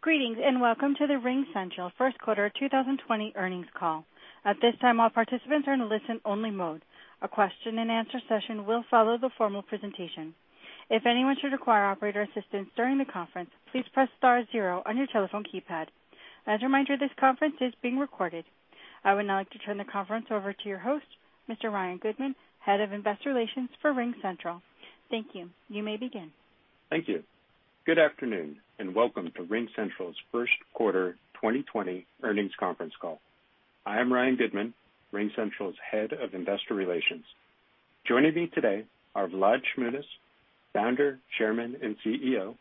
Greetings and welcome to the RingCentral First Quarter 2020 earnings call. At this time, all participants are in a listen-only mode. A question-and-answer session will follow the formal presentation. If anyone should require operator assistance during the conference, please press star zero on your telephone keypad. As a reminder, this conference is being recorded. I would now like to turn the conference over to your host, Mr. Ryan Goodman, Head of Investor Relations for RingCentral. Thank you. You may begin. Thank you. Good afternoon and welcome to RingCentral's First Quarter 2020 earnings conference call. I am Ryan Goodman, RingCentral's Head of Investor Relations. Joining me today are Vlad Shmunis, Founder, Chairman, and CEO,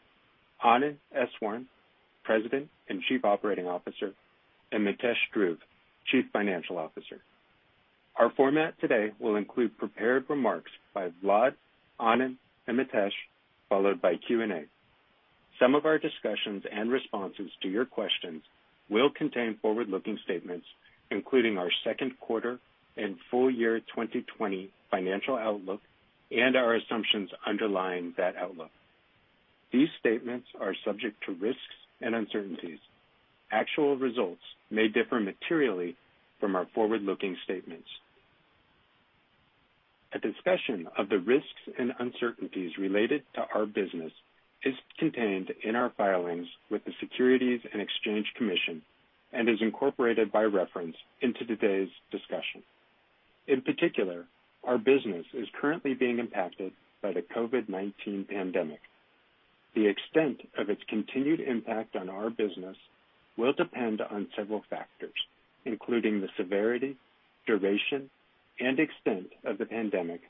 Anand Eswaran, President and Chief Operating Officer, and Mitesh Dhruv, Chief Financial Officer. Our format today will include prepared remarks by Vlad, Anand, and Mitesh, followed by Q&A. Some of our discussions and responses to your questions will contain forward-looking statements, including our second quarter and full year 2020 financial outlook and our assumptions underlying that outlook. These statements are subject to risks and uncertainties. Actual results may differ materially from our forward-looking statements. A discussion of the risks and uncertainties related to our business is contained in our filings with the Securities and Exchange Commission and is incorporated by reference into today's discussion. In particular, our business is currently being impacted by the COVID-19 pandemic. The extent of its continued impact on our business will depend on several factors, including the severity, duration, and extent of the pandemic,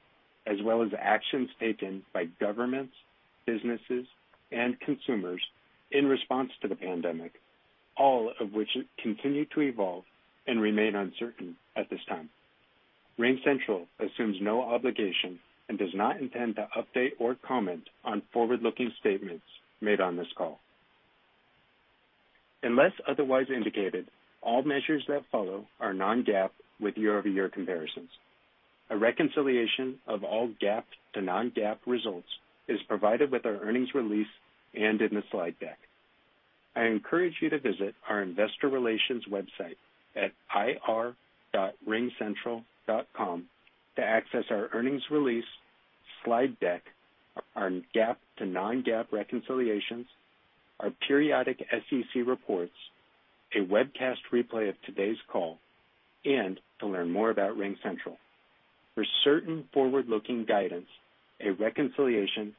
as well as actions taken by governments, businesses, and consumers in response to the pandemic, all of which continue to evolve and remain uncertain at this time. RingCentral assumes no obligation and does not intend to update or comment on forward-looking statements made on this call. Unless otherwise indicated, all measures that follow are non-GAAP with year-over-year comparisons. A reconciliation of all GAAP to non-GAAP results is provided with our earnings release and in the slide deck. I encourage you to visit our Investor Relations website at ir.ringcentral.com to access our earnings release, slide deck, our GAAP to non-GAAP reconciliations, our periodic SEC reports, a webcast replay of today's call, and to learn more about RingCentral. For certain forward-looking guidance, a reconciliation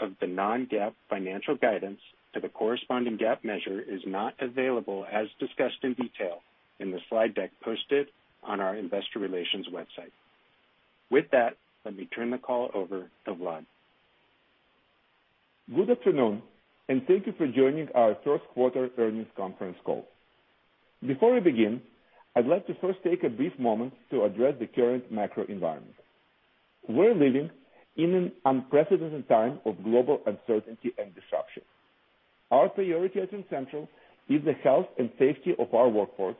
of the non-GAAP financial guidance to the corresponding GAAP measure is not available as discussed in detail in the slide deck posted on our Investor Relations website. With that, let me turn the call over to Vlad. Good afternoon and thank you for joining our First Quarter earnings conference call. Before we begin, I'd like to first take a brief moment to address the current macro environment. We're living in an unprecedented time of global uncertainty and disruption. Our priority at RingCentral is the health and safety of our workforce,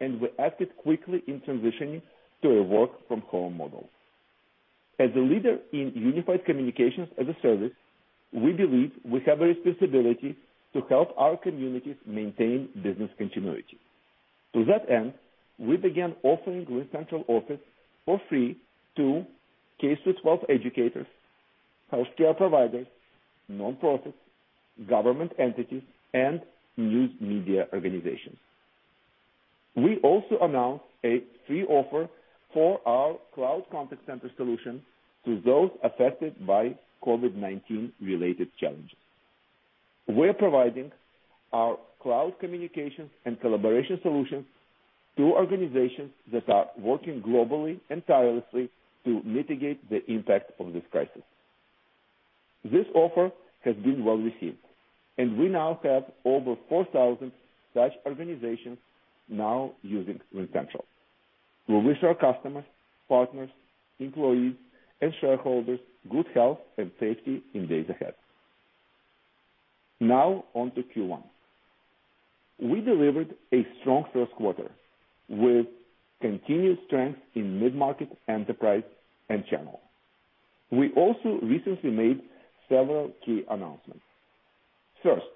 and we acted quickly in transitioning to a work-from-home model. As a leader in Unified Communications as a Service, we believe we have a responsibility to help our communities maintain business continuity. To that end, we began offering RingCentral Office for free to K-12 educators, healthcare providers, nonprofits, government entities, and news media organizations. We also announced a free offer for our Cloud Contact Center solution to those affected by COVID-19 related challenges. We're providing our Cloud Communications and Collaboration solutions to organizations that are working globally and tirelessly to mitigate the impact of this crisis. This offer has been well received, and we now have over 4,000 such organizations now using RingCentral. We wish our customers, partners, employees, and shareholders good health and safety in days ahead. Now on to Q1. We delivered a strong first quarter with continued strength in mid-market enterprise and channel. We also recently made several key announcements. First,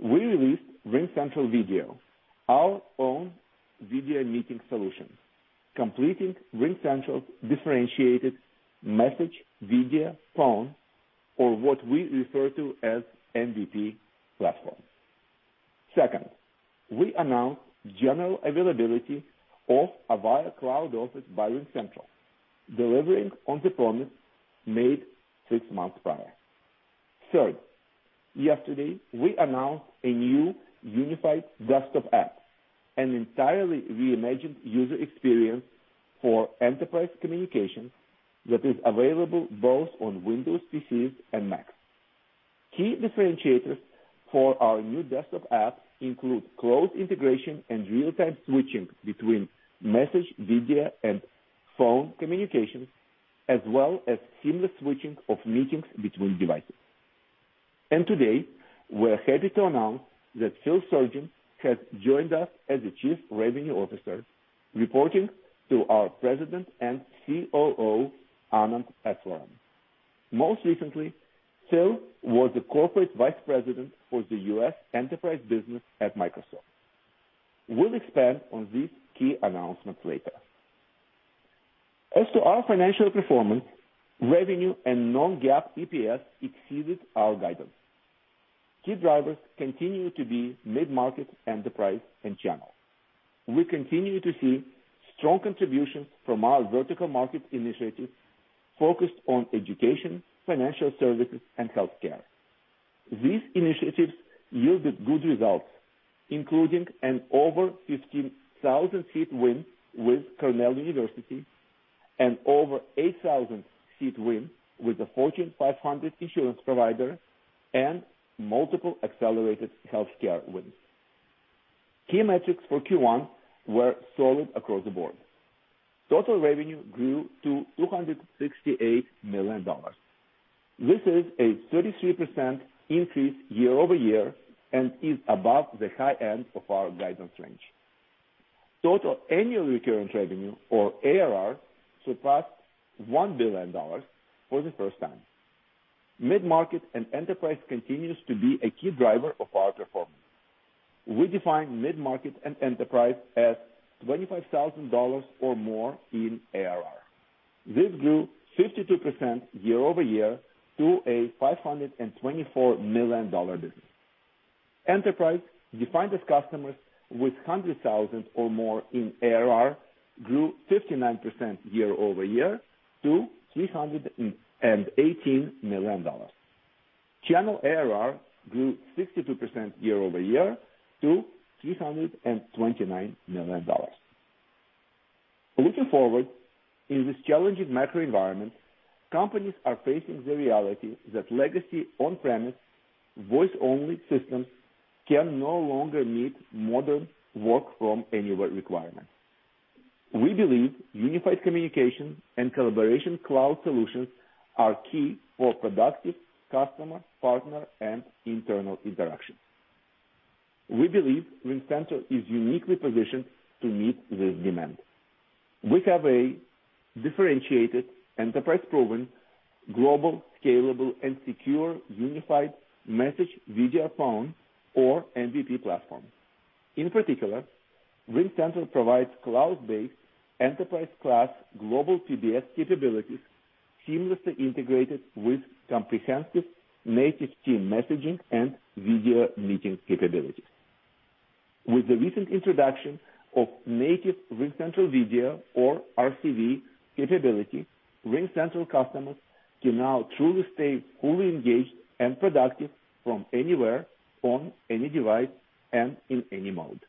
we released RingCentral Video, our own video meeting solution, completing RingCentral's differentiated message, video, phone, or what we refer to as MVP platform. Second, we announced general availability of Avaya Cloud Office by RingCentral, delivering on the promise made six months prior. Third, yesterday, we announced a new Unified Desktop App, an entirely reimagined user experience for enterprise communications that is available both on Windows PCs and Macs. Key differentiators for our new desktop app include close integration and real-time switching between message, video, and phone communications, as well as seamless switching of meetings between devices. Today, we're happy to announce that Phil Sorgen has joined us as the Chief Revenue Officer, reporting to our President and COO, Anand Eswaran. Most recently, Phil was the Corporate Vice President for the U.S. Enterprise Business at Microsoft. We'll expand on these key announcements later. As to our financial performance, revenue and non-GAAP EPS exceeded our guidance. Key drivers continue to be mid-market enterprise and channel. We continue to see strong contributions from our vertical market initiatives focused on education, financial services, and healthcare. These initiatives yielded good results, including an over 15,000 seat win with Cornell University, an over 8,000 seat win with the Fortune 500 insurance provider, and multiple accelerated healthcare wins. Key metrics for Q1 were solid across the board. Total revenue grew to $268 million. This is a 33% increase year-over-year and is above the high end of our guidance range. Total annual recurring revenue, or ARR, surpassed $1 billion for the first time. Mid-market and enterprise continues to be a key driver of our performance. We define mid-market and enterprise as $25,000 or more in ARR. This grew 52% year-over-year to a $524 million business. Enterprise, defined as customers with $100,000 or more in ARR, grew 59% year-over-year to $318 million. Channel ARR grew 62% year-over-year to $329 million. Looking forward, in this challenging macro environment, companies are facing the reality that legacy on-premise, voice-only systems can no longer meet modern work-from-anywhere requirements. We believe Unified Communications and Collaboration Cloud Solutions are key for productive customer, partner, and internal interactions. We believe RingCentral is uniquely positioned to meet this demand. We have a differentiated, enterprise-proven, global, scalable, and secure unified message, video, phone, or MVP platform. In particular, RingCentral provides cloud-based enterprise-class global PBX capabilities seamlessly integrated with comprehensive native team messaging and video meeting capabilities. With the recent introduction of native RingCentral Video, or RCV, capability, RingCentral customers can now truly stay fully engaged and productive from anywhere, on any device, and in any mode.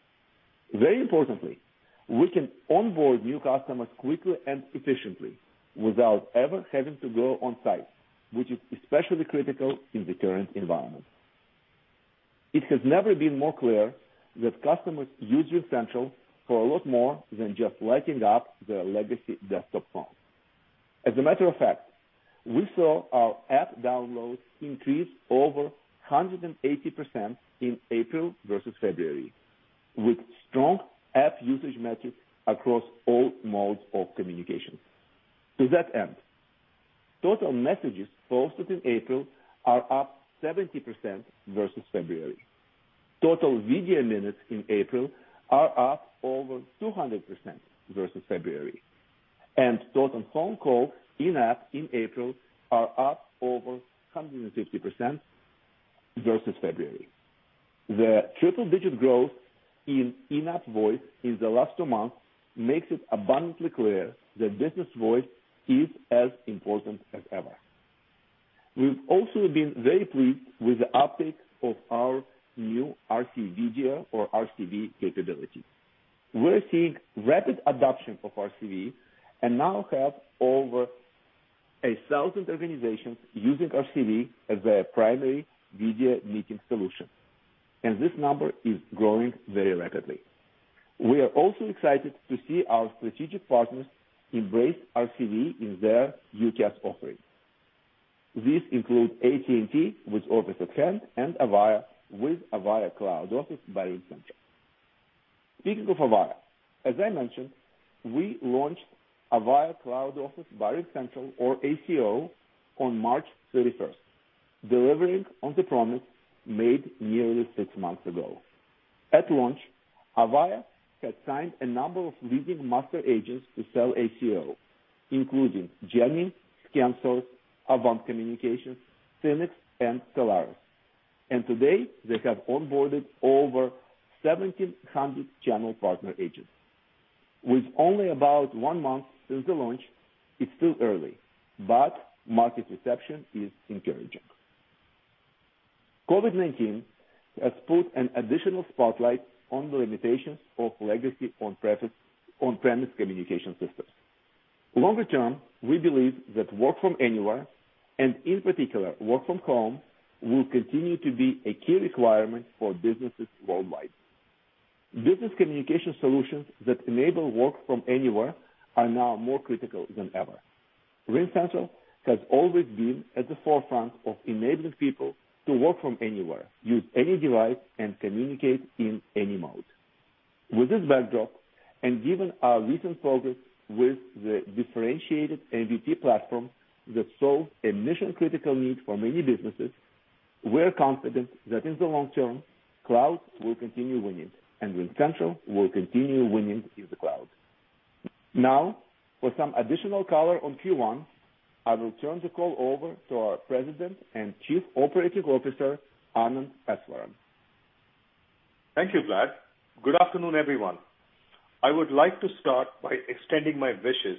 Very importantly, we can onboard new customers quickly and efficiently without ever having to go on-site, which is especially critical in the current environment. It has never been more clear that customers use RingCentral for a lot more than just lighting up their legacy desktop phone. As a matter of fact, we saw our app downloads increase over 180% in April versus February, with strong app usage metrics across all modes of communication. To that end, total messages posted in April are up 70% versus February. Total video minutes in April are up over 200% versus February, and total phone calls in-app in April are up over 150% versus February. The triple-digit growth in in-app voice in the last two months makes it abundantly clear that business voice is as important as ever. We've also been very pleased with the uptake of our new RCV capability. We're seeing rapid adoption of RCV and now have over 1,000 organizations using RCV as their primary video meeting solution, and this number is growing very rapidly. We are also excited to see our strategic partners embrace RCV in their UCaaS offering. These include AT&T with Office@Hand and Avaya with Avaya Cloud Office by RingCentral. Speaking of Avaya, as I mentioned, we launched Avaya Cloud Office by RingCentral, or ACO, on March 31, delivering on the promise made nearly six months ago. At launch, Avaya had signed a number of leading master agents to sell ACO, including Jenne, ScanSource, Avant Communications, Synnex, and Telarus. And today, they have onboarded over 1,700 channel partner agents. With only about one month since the launch, it's still early, but market reception is encouraging. COVID-19 has put an additional spotlight on the limitations of legacy on-premise communication systems. Longer term, we believe that work-from-anywhere, and in particular, work-from-home, will continue to be a key requirement for businesses worldwide. Business communication solutions that enable work-from-anywhere are now more critical than ever. RingCentral has always been at the forefront of enabling people to work from anywhere, use any device, and communicate in any mode. With this backdrop, and given our recent progress with the differentiated MVP platform that solves a mission-critical need for many businesses, we're confident that in the long term, cloud will continue winning, and RingCentral will continue winning in the cloud. Now, for some additional color on Q1, I will turn the call over to our President and Chief Operating Officer, Anand Eswaran. Thank you, Vlad. Good afternoon, everyone. I would like to start by extending my wishes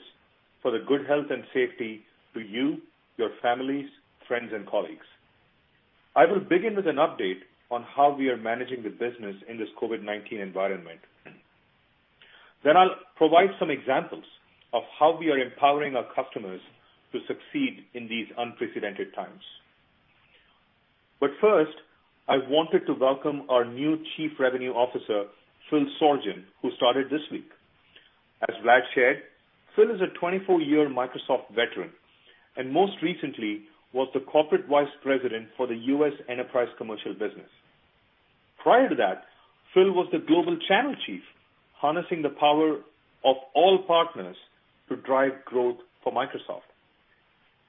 for good health and safety to you, your families, friends, and colleagues. I will begin with an update on how we are managing the business in this COVID-19 environment. Then I'll provide some examples of how we are empowering our customers to succeed in these unprecedented times. But first, I wanted to welcome our new Chief Revenue Officer, Phil Sorgen, who started this week. As Vlad shared, Phil is a 24-year Microsoft veteran and most recently was the Corporate Vice President for the U.S. Enterprise Commercial Business. Prior to that, Phil was the Global Channel Chief, harnessing the power of all partners to drive growth for Microsoft.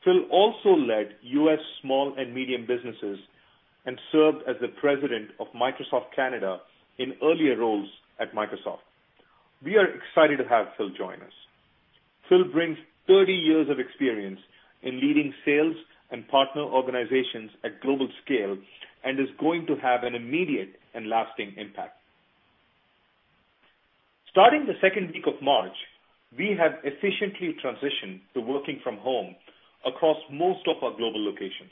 Phil also led U.S. small and medium businesses and served as the President of Microsoft Canada in earlier roles at Microsoft. We are excited to have Phil join us. Phil brings 30 years of experience in leading sales and partner organizations at global scale and is going to have an immediate and lasting impact. Starting the second week of March, we have efficiently transitioned to working from home across most of our global locations.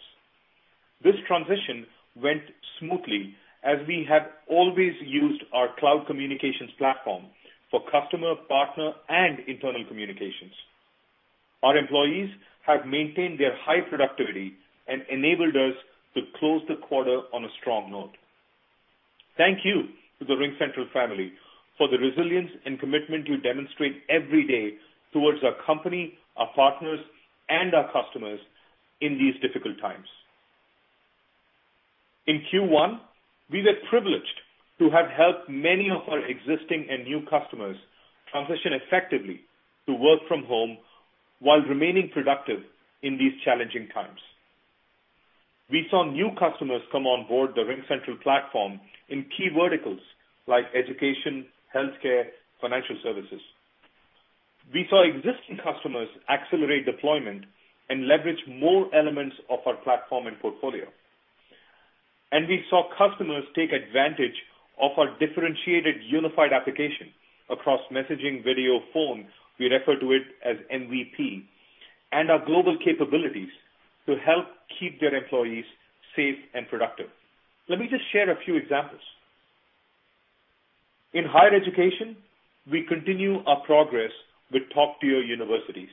This transition went smoothly as we have always used our cloud communications platform for customer, partner, and internal communications. Our employees have maintained their high productivity and enabled us to close the quarter on a strong note. Thank you to the RingCentral family for the resilience and commitment you demonstrate every day towards our company, our partners, and our customers in these difficult times. In Q1, we were privileged to have helped many of our existing and new customers transition effectively to work from home while remaining productive in these challenging times. We saw new customers come onboard the RingCentral platform in key verticals like education, healthcare, and financial services. We saw existing customers accelerate deployment and leverage more elements of our platform and portfolio. And we saw customers take advantage of our differentiated unified application across messaging, video, phone, we refer to it as MVP, and our global capabilities to help keep their employees safe and productive. Let me just share a few examples. In higher education, we continue our progress with top-tier universities.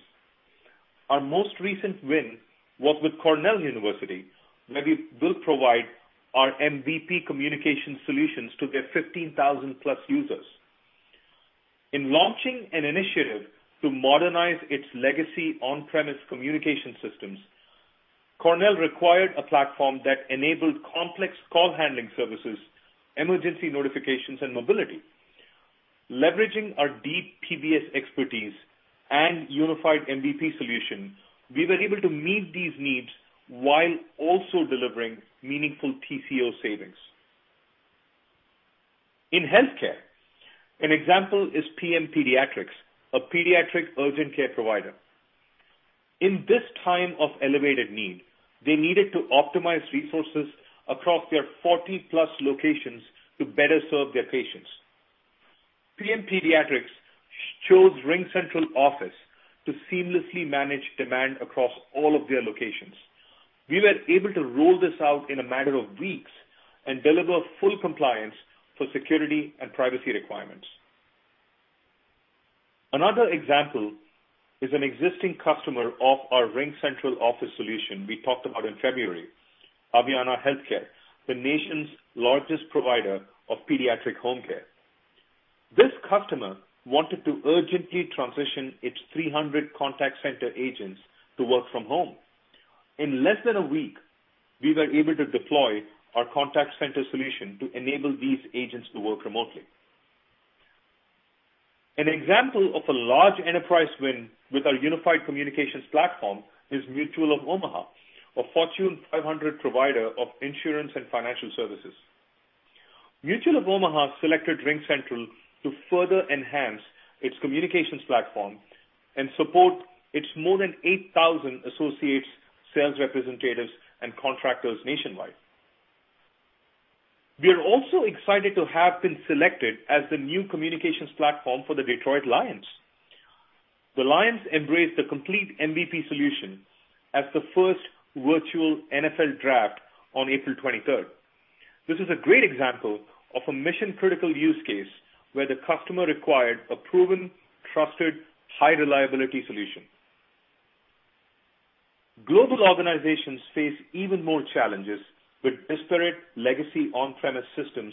Our most recent win was with Cornell University, where we will provide our MVP communication solutions to their 15,000-plus users. In launching an initiative to modernize its legacy on-premise communication systems, Cornell required a platform that enabled complex call-handling services, emergency notifications, and mobility. Leveraging our deep PBX expertise and unified MVP solution, we were able to meet these needs while also delivering meaningful TCO savings. In healthcare, an example is PM Pediatrics, a pediatric urgent care provider. In this time of elevated need, they needed to optimize resources across their 40-plus locations to better serve their patients. PM Pediatrics chose RingCentral Office to seamlessly manage demand across all of their locations. We were able to roll this out in a matter of weeks and deliver full compliance for security and privacy requirements. Another example is an existing customer of our RingCentral Office solution we talked about in February, Aveanna Healthcare, the nation's largest provider of pediatric home care. This customer wanted to urgently transition its 300 contact center agents to work from home. In less than a week, we were able to deploy our contact center solution to enable these agents to work remotely. An example of a large enterprise win with our unified communications platform is Mutual of Omaha, a Fortune 500 provider of insurance and financial services. Mutual of Omaha selected RingCentral to further enhance its communications platform and support its more than 8,000 associates, sales representatives, and contractors nationwide. We are also excited to have been selected as the new communications platform for the Detroit Lions. The Lions embraced the complete MVP solution as the first virtual NFL draft on April 23rd. This is a great example of a mission-critical use case where the customer required a proven, trusted, high-reliability solution. Global organizations face even more challenges with disparate legacy on-premise systems,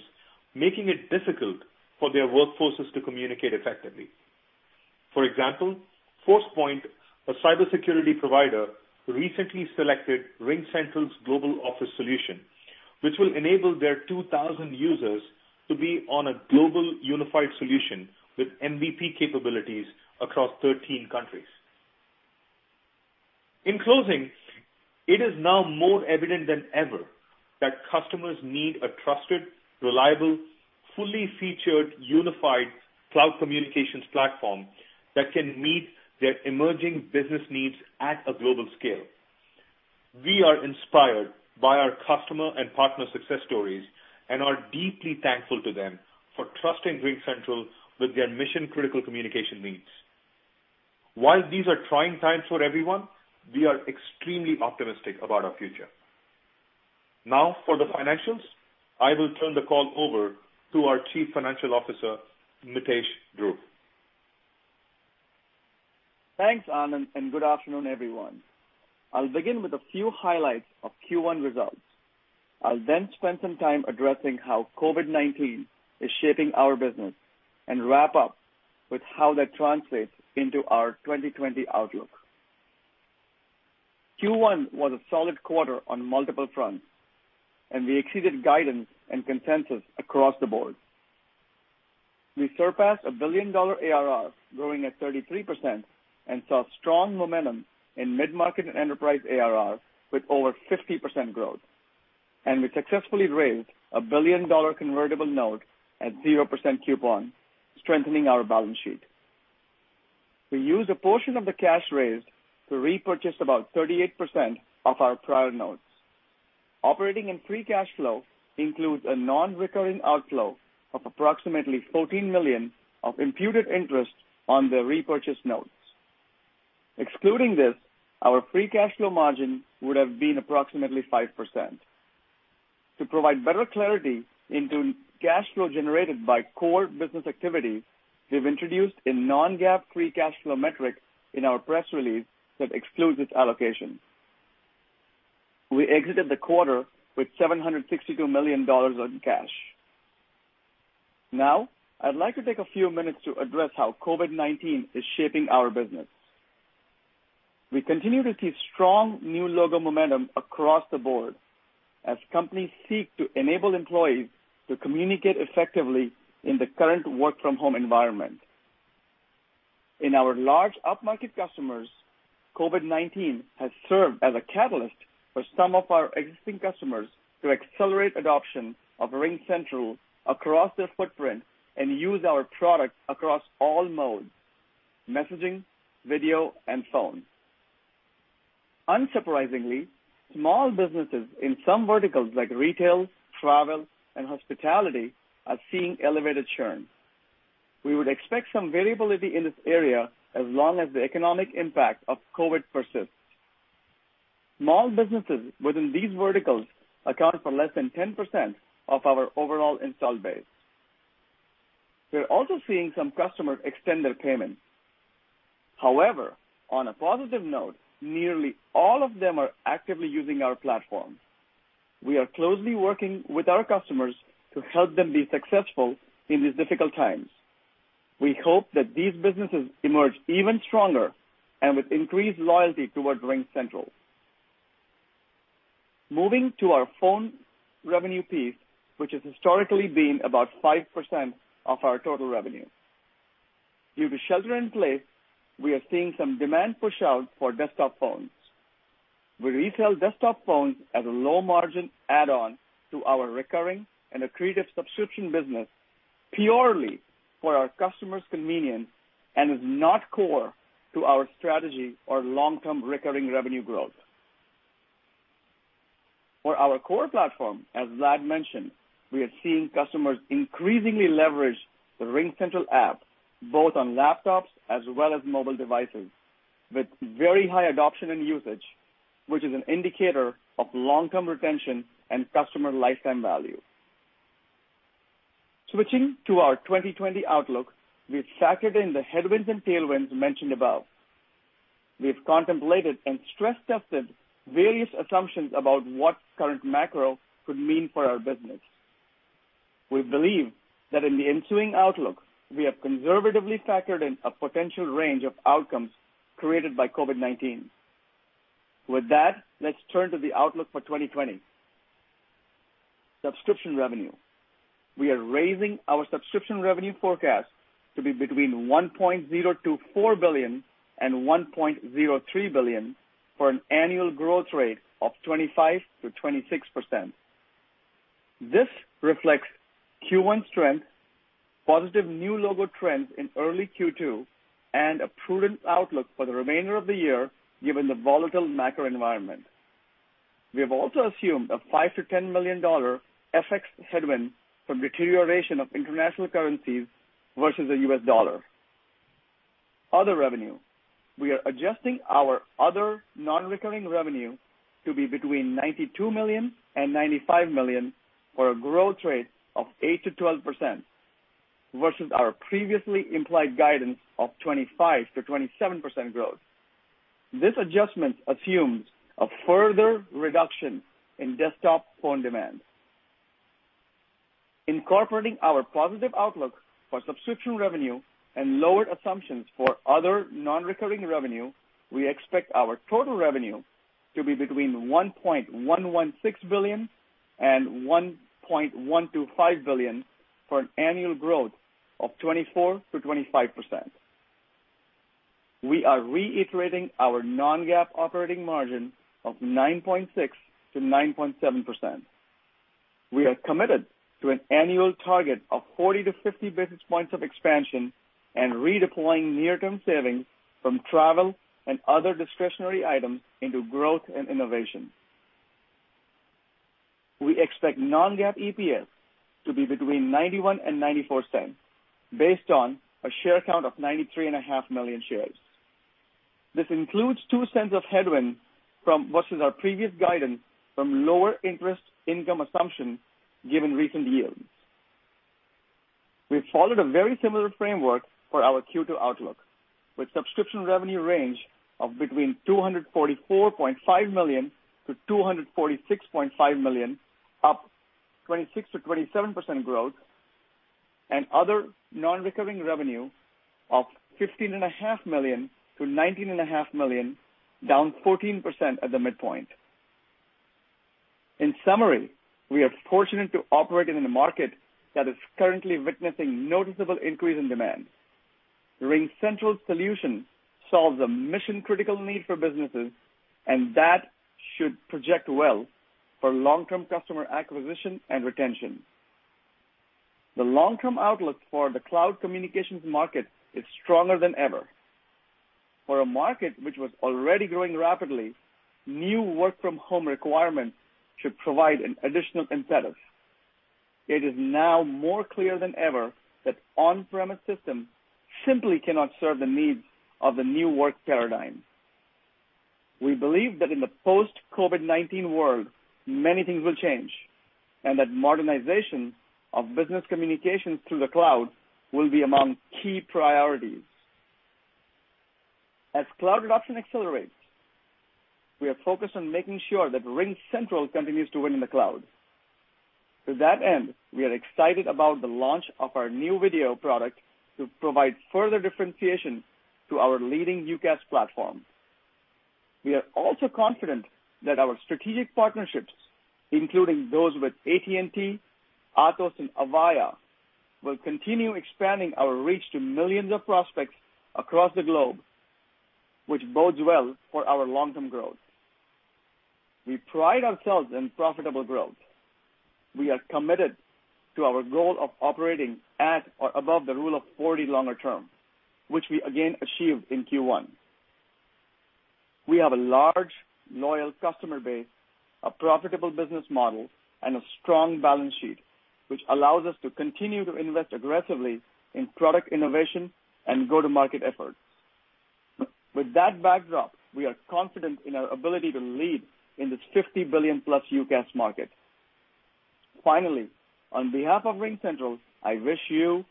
making it difficult for their workforces to communicate effectively. For example, Forcepoint, a cybersecurity provider, recently selected RingCentral's Global Office solution, which will enable their 2,000 users to be on a global unified solution with MVP capabilities across 13 countries. In closing, it is now more evident than ever that customers need a trusted, reliable, fully featured unified Cloud Communications platform that can meet their emerging business needs at a global scale. We are inspired by our customer and partner success stories and are deeply thankful to them for trusting RingCentral with their mission-critical communication needs. While these are trying times for everyone, we are extremely optimistic about our future. Now, for the financials, I will turn the call over to our Chief Financial Officer, Mitesh Dhruv. Thanks, Anand, and good afternoon, everyone. I'll begin with a few highlights of Q1 results. I'll then spend some time addressing how COVID-19 is shaping our business and wrap up with how that translates into our 2020 outlook. Q1 was a solid quarter on multiple fronts, and we exceeded guidance and consensus across the board. We surpassed a $1 billion ARR, growing at 33%, and saw strong momentum in mid-market and enterprise ARR with over 50% growth. And we successfully raised a $1 billion convertible note at 0% coupon, strengthening our balance sheet. We used a portion of the cash raised to repurchase about 38% of our prior notes. Our operating free cash flow includes a non-recurring outflow of approximately $14 million of imputed interest on the repurchased notes. Excluding this, our free cash flow margin would have been approximately 5%. To provide better clarity into cash flow generated by core business activity, we've introduced a non-GAAP free cash flow metric in our press release that excludes its allocation. We exited the quarter with $762 million in cash. Now, I'd like to take a few minutes to address how COVID-19 is shaping our business. We continue to see strong new logo momentum across the board as companies seek to enable employees to communicate effectively in the current work-from-home environment. In our large up-market customers, COVID-19 has served as a catalyst for some of our existing customers to accelerate adoption of RingCentral across their footprint and use our product across all modes: messaging, video, and phone. Unsurprisingly, small businesses in some verticals like retail, travel, and hospitality are seeing elevated churn. We would expect some variability in this area as long as the economic impact of COVID persists. Small businesses within these verticals account for less than 10% of our overall installed base. We're also seeing some customers extend their payments. However, on a positive note, nearly all of them are actively using our platform. We are closely working with our customers to help them be successful in these difficult times. We hope that these businesses emerge even stronger and with increased loyalty towards RingCentral. Moving to our phone revenue piece, which has historically been about 5% of our total revenue. Due to shelter in place, we are seeing some demand push-out for desktop phones. We resell desktop phones as a low-margin add-on to our recurring and accretive subscription business purely for our customers' convenience and it is not core to our strategy or long-term recurring revenue growth. For our core platform, as Vlad mentioned, we are seeing customers increasingly leverage the RingCentral app both on laptops as well as mobile devices with very high adoption and usage, which is an indicator of long-term retention and customer lifetime value. Switching to our 2020 outlook, we've factored in the headwinds and tailwinds mentioned above. We've contemplated and stress-tested various assumptions about what current macro could mean for our business. We believe that in the ensuing outlook, we have conservatively factored in a potential range of outcomes created by COVID-19. With that, let's turn to the outlook for 2020. Subscription revenue. We are raising our subscription revenue forecast to be between $1.024 billion and $1.03 billion for an annual growth rate of 25% to 26%. This reflects Q1 strength, positive new logo trends in early Q2, and a prudent outlook for the remainder of the year given the volatile macro environment. We have also assumed a $5 million-$10 million FX headwind from deterioration of international currencies versus the U.S. dollar. Other revenue. We are adjusting our other non-recurring revenue to be between $92 million and $95 million for a growth rate of 8%-12% versus our previously implied guidance of 25%-27% growth. This adjustment assumes a further reduction in desktop phone demand. Incorporating our positive outlook for subscription revenue and lowered assumptions for other non-recurring revenue, we expect our total revenue to be between $1.116 billion and $1.125 billion for an annual growth of 24%-25%. We are reiterating our non-GAAP operating margin of 9.6%-9.7%. We are committed to an annual target of 40 to 50 basis points of expansion and redeploying near-term savings from travel and other discretionary items into growth and innovation. We expect non-GAAP EPS to be between 91% and 94% based on a share count of 93.5 million shares. This includes $0.02 of headwind versus our previous guidance from lower interest income assumption given recent yields. We've followed a very similar framework for our Q2 outlook, with subscription revenue range of between $244.5 million-$246.5 million, up 26% to 27% growth, and other non-recurring revenue of $15.5 million-$19.5 million, down 14% at the midpoint. In summary, we are fortunate to operate in a market that is currently witnessing noticeable increase in demand. RingCentral's solution solves a mission-critical need for businesses, and that should project well for long-term customer acquisition and retention. The long-term outlook for the cloud communications market is stronger than ever. For a market which was already growing rapidly, new work-from-home requirements should provide an additional incentive. It is now more clear than ever that on-premise systems simply cannot serve the needs of the new work paradigm. We believe that in the post-COVID-19 world, many things will change, and that modernization of business communications through the cloud will be among key priorities. As cloud adoption accelerates, we are focused on making sure that RingCentral continues to win in the cloud. To that end, we are excited about the launch of our new video product to provide further differentiation to our leading UCaaS platform. We are also confident that our strategic partnerships, including those with AT&T, Atos, and Avaya, will continue expanding our reach to millions of prospects across the globe, which bodes well for our long-term growth. We pride ourselves in profitable growth. We are committed to our goal of operating at or above the Rule of 40 longer term, which we again achieved in Q1. We have a large, loyal customer base, a profitable business model, and a strong balance sheet, which allows us to continue to invest aggressively in product innovation and go-to-market efforts. With that backdrop, we are confident in our ability to lead in this 50 billion-plus UCaaS market. Finally, on behalf of RingCentral, I wish you,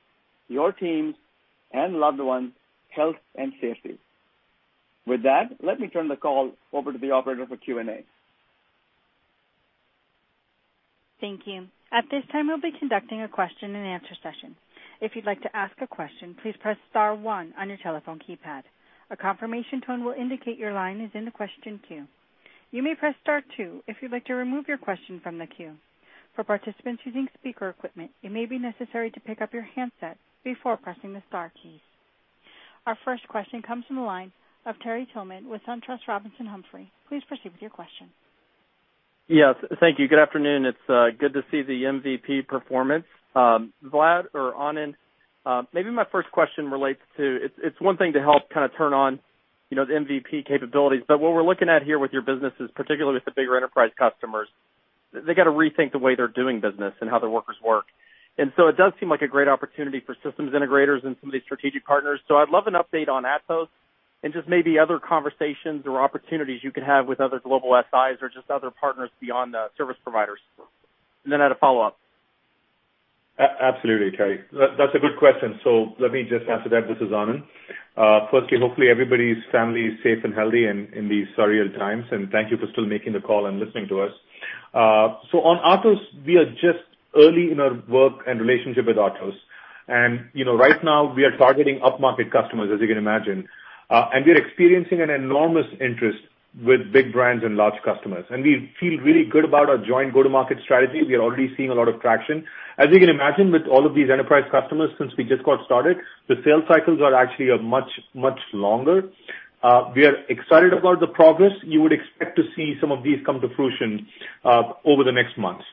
your teams, and loved ones health and safety. With that, let me turn the call over to the operator for Q&A. Thank you. At this time, we'll be conducting a question-and-answer session. If you'd like to ask a question, please press Star 1 on your telephone keypad. A confirmation tone will indicate your line is in the question queue. You may press Star 2 if you'd like to remove your question from the queue. For participants using speaker equipment, it may be necessary to pick up your handset before pressing the Star keys. Our first question comes from the line of Terry Tillman with SunTrust Robinson Humphrey. Please proceed with your question. Yes. Thank you. Good afternoon. It's good to see the MVP performance. Vlad or Anand, maybe my first question relates to. It's one thing to help kind of turn on the MVP capabilities, but what we're looking at here with your businesses, particularly with the bigger enterprise customers, they got to rethink the way they're doing business and how their workers work. And so it does seem like a great opportunity for systems integrators and some of these strategic partners. So I'd love an update on Atos and just maybe other conversations or opportunities you can have with other global SIs or just other partners beyond the service providers. And then I had a follow-up. Absolutely, Terry. That's a good question. So let me just answer that. This is Anand. Firstly, hopefully, everybody's family is safe and healthy in these surreal times, and thank you for still making the call and listening to us. So on Atos, we are just early in our work and relationship with Atos. And right now, we are targeting up-market customers, as you can imagine. And we are experiencing an enormous interest with big brands and large customers. And we feel really good about our joint go-to-market strategy. We are already seeing a lot of traction. As you can imagine, with all of these enterprise customers, since we just got started, the sales cycles are actually much, much longer. We are excited about the progress. You would expect to see some of these come to fruition over the next months.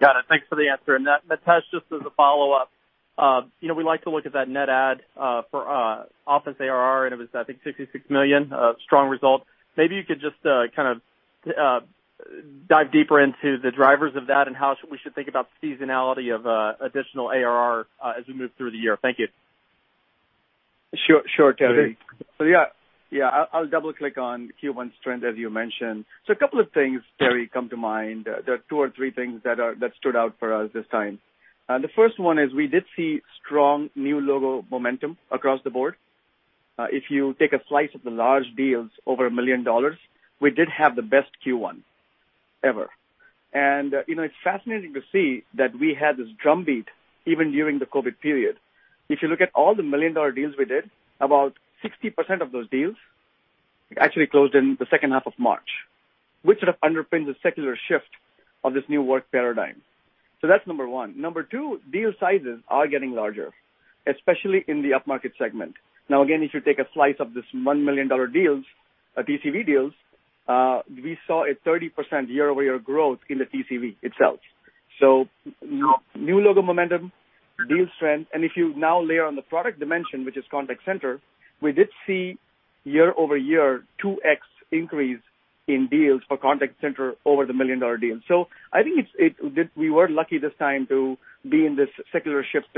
Got it. Thanks for the answer, and Mitesh, just as a follow-up, we like to look at that net add for Office ARR, and it was, I think, $66 million, a strong result. Maybe you could just kind of dive deeper into the drivers of that and how we should think about the seasonality of additional ARR as we move through the year. Thank you. Sure, Terry. So yeah, I'll double-click on Q1 strength, as you mentioned. So a couple of things, Terry, come to mind. There are two or three things that stood out for us this time. The first one is we did see strong new logo momentum across the board. If you take a slice of the large deals over $1 million, we did have the best Q1 ever. And it's fascinating to see that we had this drumbeat even during the COVID period. If you look at all the $1 million deals we did, about 60% of those deals actually closed in the second half of March, which sort of underpins the secular shift of this new work paradigm. So that's number one. Number two, deal sizes are getting larger, especially in the up-market segment. Now, again, if you take a slice of this $1 million deals, TCV deals, we saw a 30% year-over-year growth in the TCV itself. So new logo momentum, deal strength. If you now layer on the product dimension, which is Contact Center, we did see year-over-year 2X increase in deals for Contact Center over the million-dollar deal. So I think we were lucky this time to be in this secular shift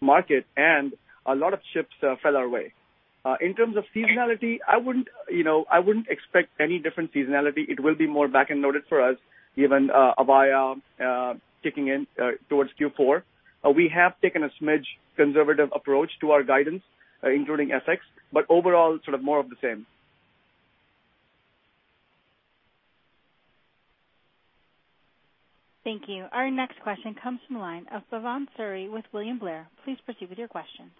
market, and a lot of shifts fell our way. In terms of seasonality, I wouldn't expect any different seasonality. It will be more back-and-forth for us, given Avaya kicking in towards Q4. We have taken a smidge conservative approach to our guidance, including FX, but overall, sort of more of the same. Thank you. Our next question comes from the line of Bhavan Suri with William Blair. Please proceed with your question.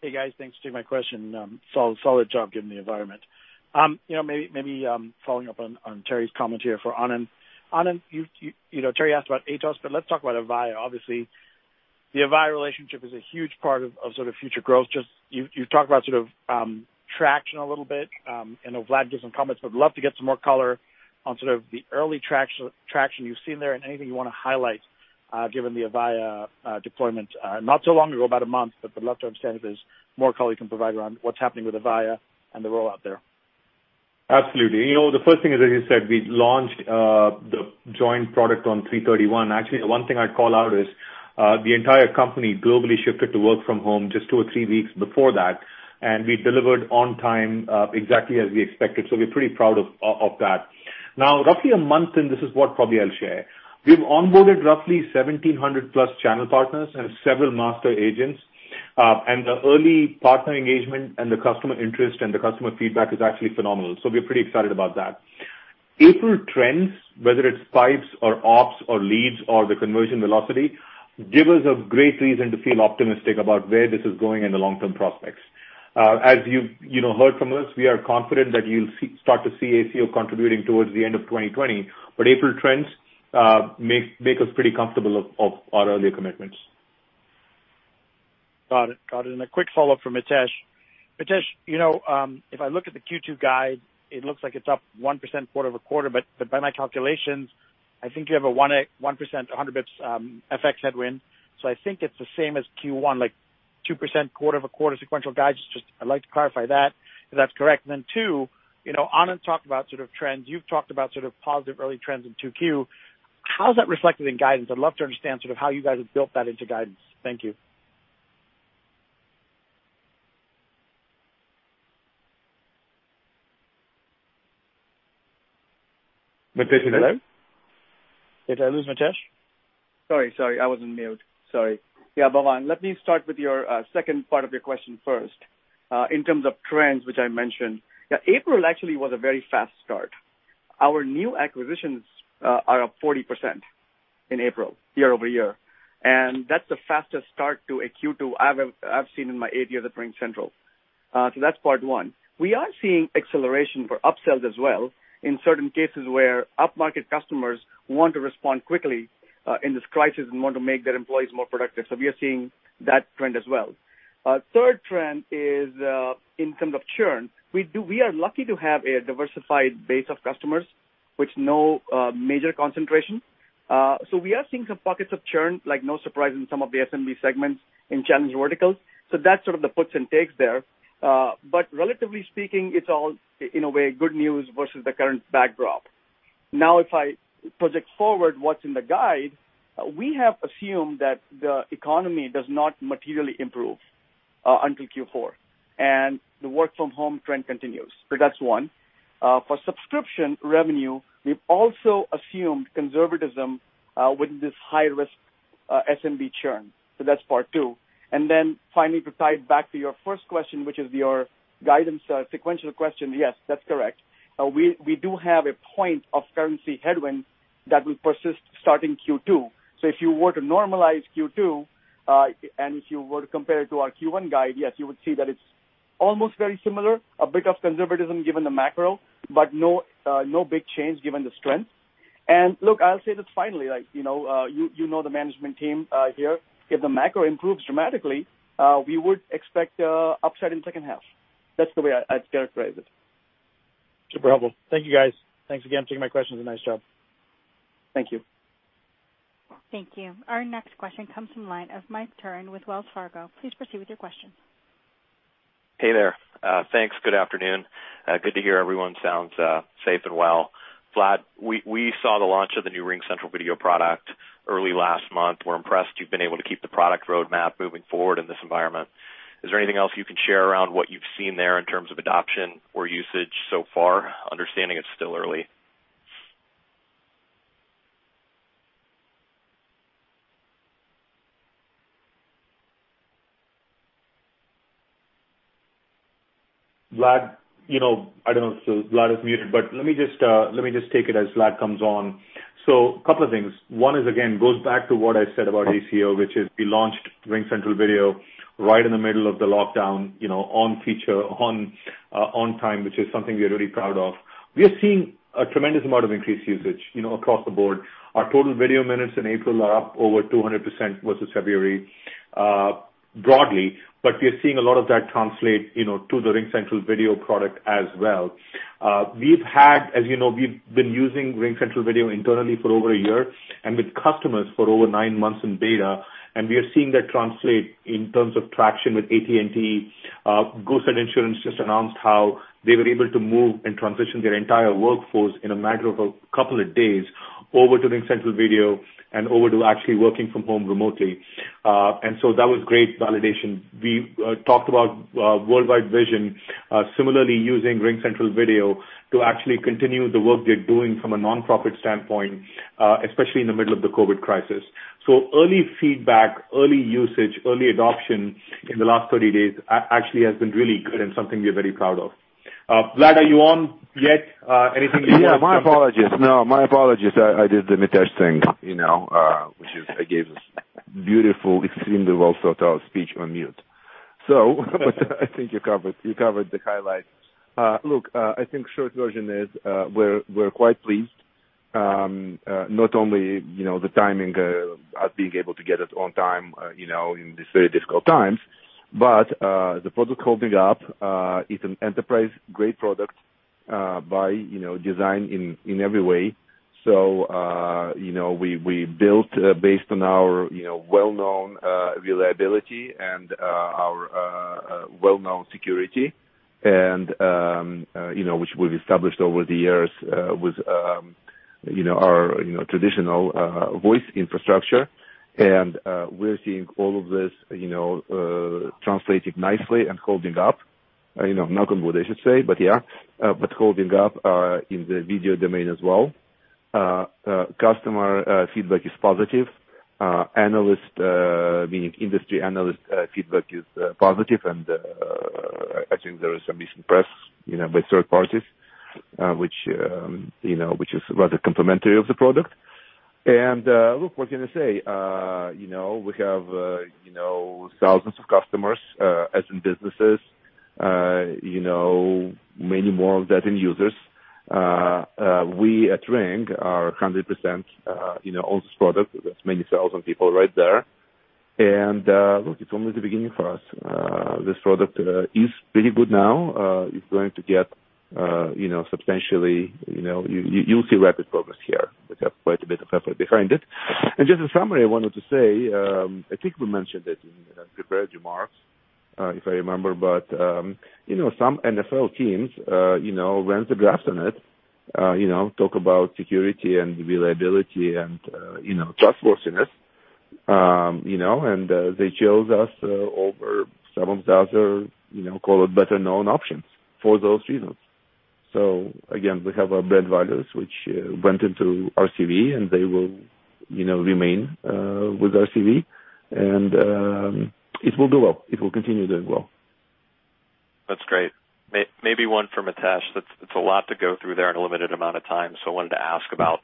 Hey, guys. Thanks for taking my question. Solid job given the environment. Maybe following up on Terry's comment here for Anand. Anand, Terry asked about Atos, but let's talk about Avaya. Obviously, the Avaya relationship is a huge part of sort of future growth. Just you've talked about sort of traction a little bit, and Vlad gave some comments, but I'd love to get some more color on sort of the early traction you've seen there and anything you want to highlight given the Avaya deployment not so long ago, about a month, but I'd love to understand if there's more color you can provide around what's happening with Avaya and the rollout there. Absolutely. The first thing is, as you said, we launched the joint product on 3/31. Actually, one thing I'd call out is the entire company globally shifted to work from home just two or three weeks before that, and we delivered on time exactly as we expected. So we're pretty proud of that. Now, roughly a month in, this is what probably I'll share. We've onboarded roughly 1,700-plus channel partners and several master agents, and the early partner engagement and the customer interest and the customer feedback is actually phenomenal. So we're pretty excited about that. April trends, whether it's pipes or ops or leads or the conversion velocity, give us a great reason to feel optimistic about where this is going and the long-term prospects. As you've heard from us, we are confident that you'll start to see ACO contributing towards the end of 2020, but April trends make us pretty comfortable of our earlier commitments. Got it. Got it. And a quick follow-up from Mitesh. Mitesh, if I look at the Q2 guide, it looks like it's up 1% quarter over quarter, but by my calculations, I think you have a 1%, 100 basis points FX headwind. So I think it's the same as Q1, like 2% quarter over quarter sequential guidance. Just I'd like to clarify that if that's correct. And then two, Anand talked about sort of trends. You've talked about sort of positive early trends in Q2. How's that reflected in guidance? I'd love to understand sort of how you guys have built that into guidance. Thank you. Mitesh, you there? Hello? Did I lose Mitesh? Sorry, sorry. I wasn't muted. Sorry. Yeah, Bhavan. Let me start with your second part of your question first. In terms of trends, which I mentioned, April actually was a very fast start. Our new acquisitions are up 40% in April year-over-year, and that's the fastest start to a Q2 I've seen in my eight years at RingCentral. So that's part one. We are seeing acceleration for upsells as well in certain cases where up-market customers want to respond quickly in this crisis and want to make their employees more productive. So we are seeing that trend as well. Third trend is in terms of churn. We are lucky to have a diversified base of customers with no major concentration. So we are seeing some pockets of churn, like no surprise in some of the SMB segments in challenge verticals. So that's sort of the puts and takes there. But relatively speaking, it's all, in a way, good news versus the current backdrop. Now, if I project forward what's in the guide, we have assumed that the economy does not materially improve until Q4, and the work-from-home trend continues. So that's one. For subscription revenue, we've also assumed conservatism with this high-risk SMB churn. So that's part two. And then finally, to tie it back to your first question, which is your guidance sequential question, yes, that's correct. We do have a point of currency headwind that will persist starting Q2. So if you were to normalize Q2 and if you were to compare it to our Q1 guide, yes, you would see that it's almost very similar, a bit of conservatism given the macro, but no big change given the strength. And look, I'll say this finally. You know the management team here. If the macro improves dramatically, we would expect an upside in the second half. That's the way I'd characterize it. Super helpful. Thank you, guys. Thanks again for taking my questions. Nice job. Thank you. Thank you. Our next question comes from the line of Mike Turrin with Wells Fargo. Please proceed with your question. Hey there. Thanks. Good afternoon. Good to hear everyone sounds safe and well. Vlad, we saw the launch of the new RingCentral video product early last month. We're impressed you've been able to keep the product roadmap moving forward in this environment. Is there anything else you can share around what you've seen there in terms of adoption or usage so far? Understanding it's still early. Vlad, I don't know if Vlad is muted, but let me just take it as Vlad comes on. So a couple of things. One is, again, goes back to what I said about ACO, which is we launched RingCentral Video right in the middle of the lockdown, on feature, on time, which is something we're really proud of. We are seeing a tremendous amount of increased usage across the board. Our total video minutes in April are up over 200% versus February broadly, but we are seeing a lot of that translate to the RingCentral Video product as well. We've had, as you know, we've been using RingCentral Video internally for over a year and with customers for over nine months in beta, and we are seeing that translate in terms of traction with AT&T. Goosehead Insurance just announced how they were able to move and transition their entire workforce in a matter of a couple of days over to RingCentral Video and over to actually working from home remotely, and so that was great validation. We talked about World Vision, similarly using RingCentral Video to actually continue the work they're doing from a nonprofit standpoint, especially in the middle of the COVID crisis. Early feedback, early usage, early adoption in the last 30 days actually has been really good and something we're very proud of. Vlad, are you on yet? Anything you want to add? Yeah, my apologies. No, my apologies. I did the Mitesh thing, which is I gave this beautiful, extremely well-thought-out speech on mute. So I think you covered the highlights. Look, I think short version is we're quite pleased, not only the timing of us being able to get it on time in these very difficult times, but the product holding up. It's an enterprise-grade product by design in every way. So we built based on our well-known reliability and our well-known security, which we've established over the years with our traditional voice infrastructure. And we're seeing all of this translating nicely and holding up. Knock on wood, I should say, but yeah, but holding up in the video domain as well. Customer feedback is positive. Analyst, meaning industry analyst feedback is positive, and I think there is some mainstream press by third parties, which is rather complimentary of the product. And look, what can I say? We have thousands of customers as in businesses, many more of that in users. We at Ring are 100% on this product. That's many thousand people right there. And look, it's only the beginning for us. This product is pretty good now. It's going to get substantially. You'll see rapid progress here. We have quite a bit of effort behind it. And just a summary, I wanted to say, I think we mentioned it in the prepared remarks, if I remember, but some NFL teams ran the drafts on it, talk about security and reliability and trustworthiness, and they chose us over some of the other, call it better-known options for those reasons. So again, we have our brand values, which went into RCV, and they will remain with RCV, and it will do well. It will continue doing well. That's great. Maybe one for Mitesh. It's a lot to go through there in a limited amount of time, so I wanted to ask about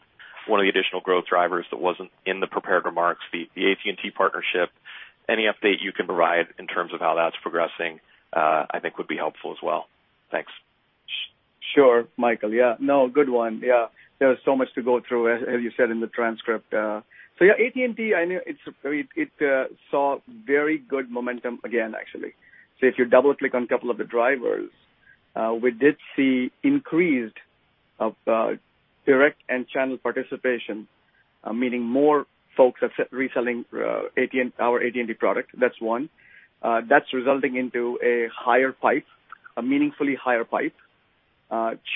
one of the additional growth drivers that wasn't in the prepared remarks, the AT&T partnership. Any update you can provide in terms of how that's progressing, I think, would be helpful as well. Thanks. Sure, Michael. Yeah. No, good one. Yeah. There's so much to go through, as you said in the transcript. So yeah, AT&T, I know it saw very good momentum again, actually. So if you double-click on a couple of the drivers, we did see increased direct and channel participation, meaning more folks reselling our AT&T product. That's one. That's resulting in a higher pipe, a meaningfully higher pipe.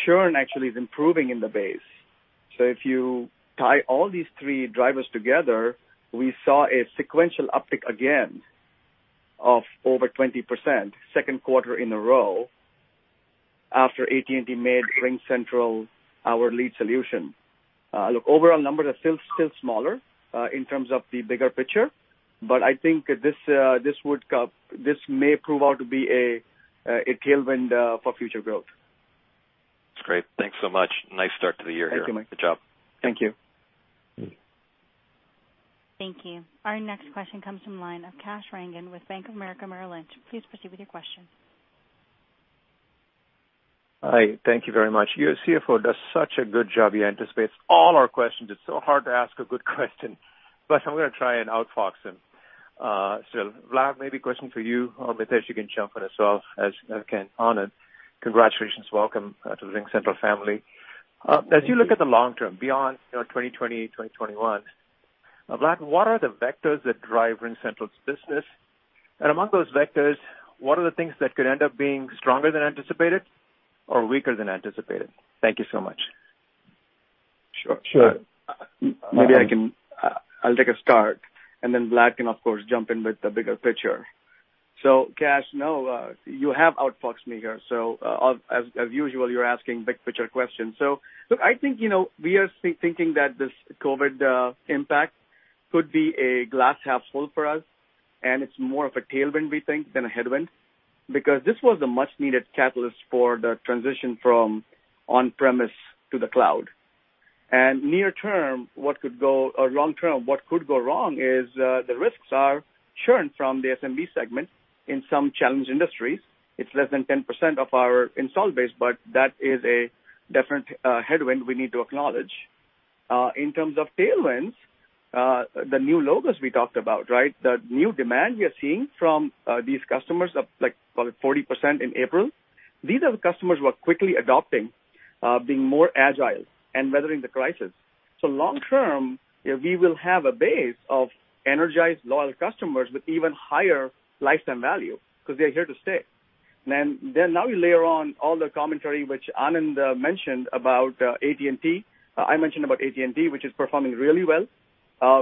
Churn actually is improving in the base. So if you tie all these three drivers together, we saw a sequential uptick again of over 20% second quarter in a row after AT&T made RingCentral our lead solution. Look, overall numbers are still smaller in terms of the bigger picture, but I think this may prove out to be a tailwind for future growth. That's great. Thanks so much. Nice start to the year here. Thank you, Mike. Good job. Thank you. Thank you. Our next question comes from the line of Kash Rangan with Bank of America Merrill Lynch. Please proceed with your question. Hi. Thank you very much. Your CFO does such a good job. He anticipates all our questions. It's so hard to ask a good question, but I'm going to try and outfox him still. Vlad, maybe a question for you or Mitesh. You can jump in as well as I can. Anand, congratulations. Welcome to the RingCentral family. As you look at the long term beyond 2020, 2021, Vlad, what are the vectors that drive RingCentral's business? And among those vectors, what are the things that could end up being stronger than anticipated or weaker than anticipated? Thank you so much. Sure. Sure. Maybe I'll take a start, and then Vlad can, of course, jump in with the bigger picture. So Kash, no, you have outfoxed me here. So as usual, you're asking big-picture questions. So look, I think we are thinking that this COVID impact could be a glass half full for us, and it's more of a tailwind, we think, than a headwind because this was a much-needed catalyst for the transition from on-premises to the cloud. And near-term, what could go wrong or long-term, what could go wrong is the risks are churn from the SMB segment in some challenged industries. It's less than 10% of our installed base, but that is a definite headwind we need to acknowledge. In terms of tailwinds, the new logos we talked about, right? The new demand we are seeing from these customers of, call it, 40% in April. These are the customers who are quickly adopting, being more agile and weathering the crisis. So long-term, we will have a base of energized, loyal customers with even higher lifetime value because they're here to stay. And then now we layer on all the commentary which Anand mentioned about AT&T. I mentioned about AT&T, which is performing really well.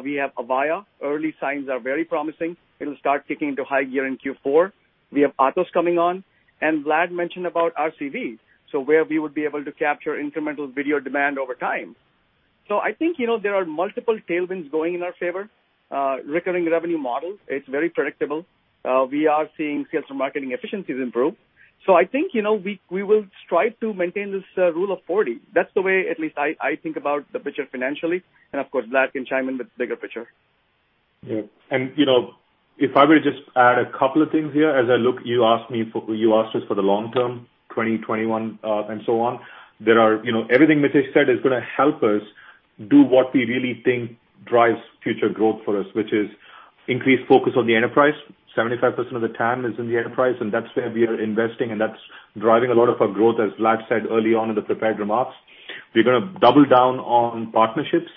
We have Avaya. Early signs are very promising. It'll start kicking into high gear in Q4. We have Atos coming on. And Vlad mentioned about RCV, so where we would be able to capture incremental video demand over time. So I think there are multiple tailwinds going in our favor. Recurring revenue model, it's very predictable. We are seeing sales and marketing efficiencies improve. So I think we will strive to maintain this Rule of 40. That's the way, at least, I think about the picture financially. And of course, Vlad can chime in with the bigger picture. Yeah. And if I were to just add a couple of things here, as I look, you asked us for the long term, 2021 and so on. Everything Mitesh said is going to help us do what we really think drives future growth for us, which is increased focus on the enterprise. 75% of the time is in the enterprise, and that's where we are investing, and that's driving a lot of our growth, as Vlad said early on in the prepared remarks. We're going to double down on partnerships,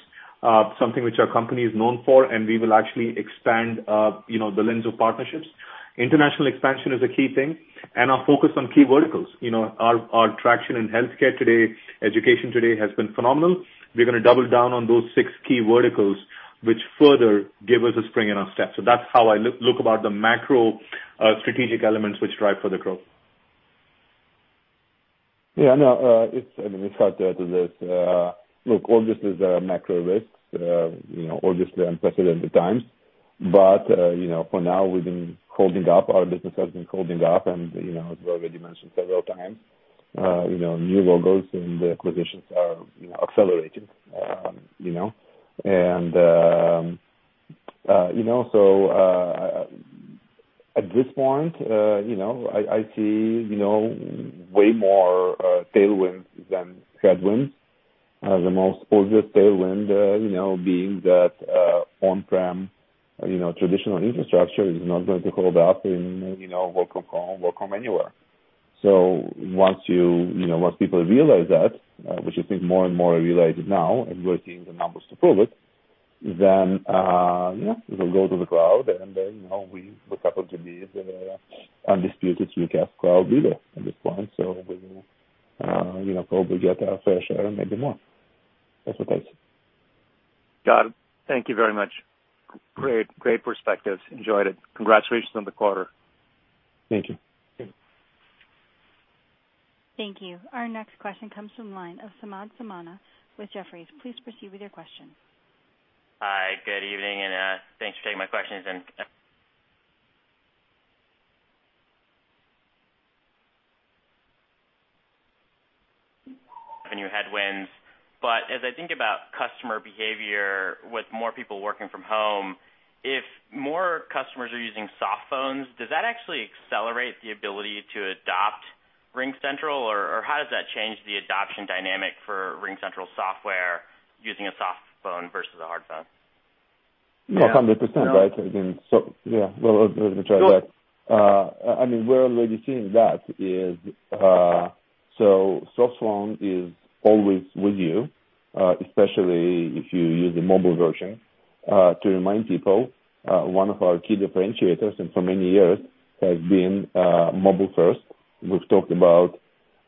something which our company is known for, and we will actually expand the lens of partnerships. International expansion is a key thing, and our focus on key verticals. Our traction in healthcare today, education today has been phenomenal. We're going to double down on those six key verticals, which further give us a spring in our step, so that's how I look about the macro strategic elements which drive further growth. Yeah. No, I mean, it's hard to add to this. Look, obviously, there are macro risks. Obviously, unprecedented times. But for now, we've been holding up. Our business has been holding up, and as well as you mentioned several times, new logos and acquisitions are accelerating. And so at this point, I see way more tailwinds than headwinds. The most obvious tailwind being that on-prem traditional infrastructure is not going to hold up in work-from-home, work-from-anywhere. So once people realize that, which I think more and more are realizing now, and we're seeing the numbers to prove it, then yeah, we'll go to the cloud, and we happen to be the undisputed UCaaS cloud leader at this point. So we will probably get our fair share and maybe more. That's what I see. Got it. Thank you very much. Great perspectives. Enjoyed it. Congratulations on the quarter. Thank you. Thank you. Thank you. Our next question comes from the line of Samad Samana with Jefferies. Please proceed with your question. Hi. Good evening, and thanks for taking my questions. And headwinds. But as I think about customer behavior with more people working from home, if more customers are using soft phones, does that actually accelerate the ability to adopt RingCentral, or how does that change the adoption dynamic for RingCentral software using a soft phone versus a hard phone? Yeah, 100%, right? Again, so yeah, let me try that. I mean, we're already seeing that. So, softphone is always with you, especially if you use the mobile version. To remind people, one of our key differentiators for many years has been mobile-first. We've talked about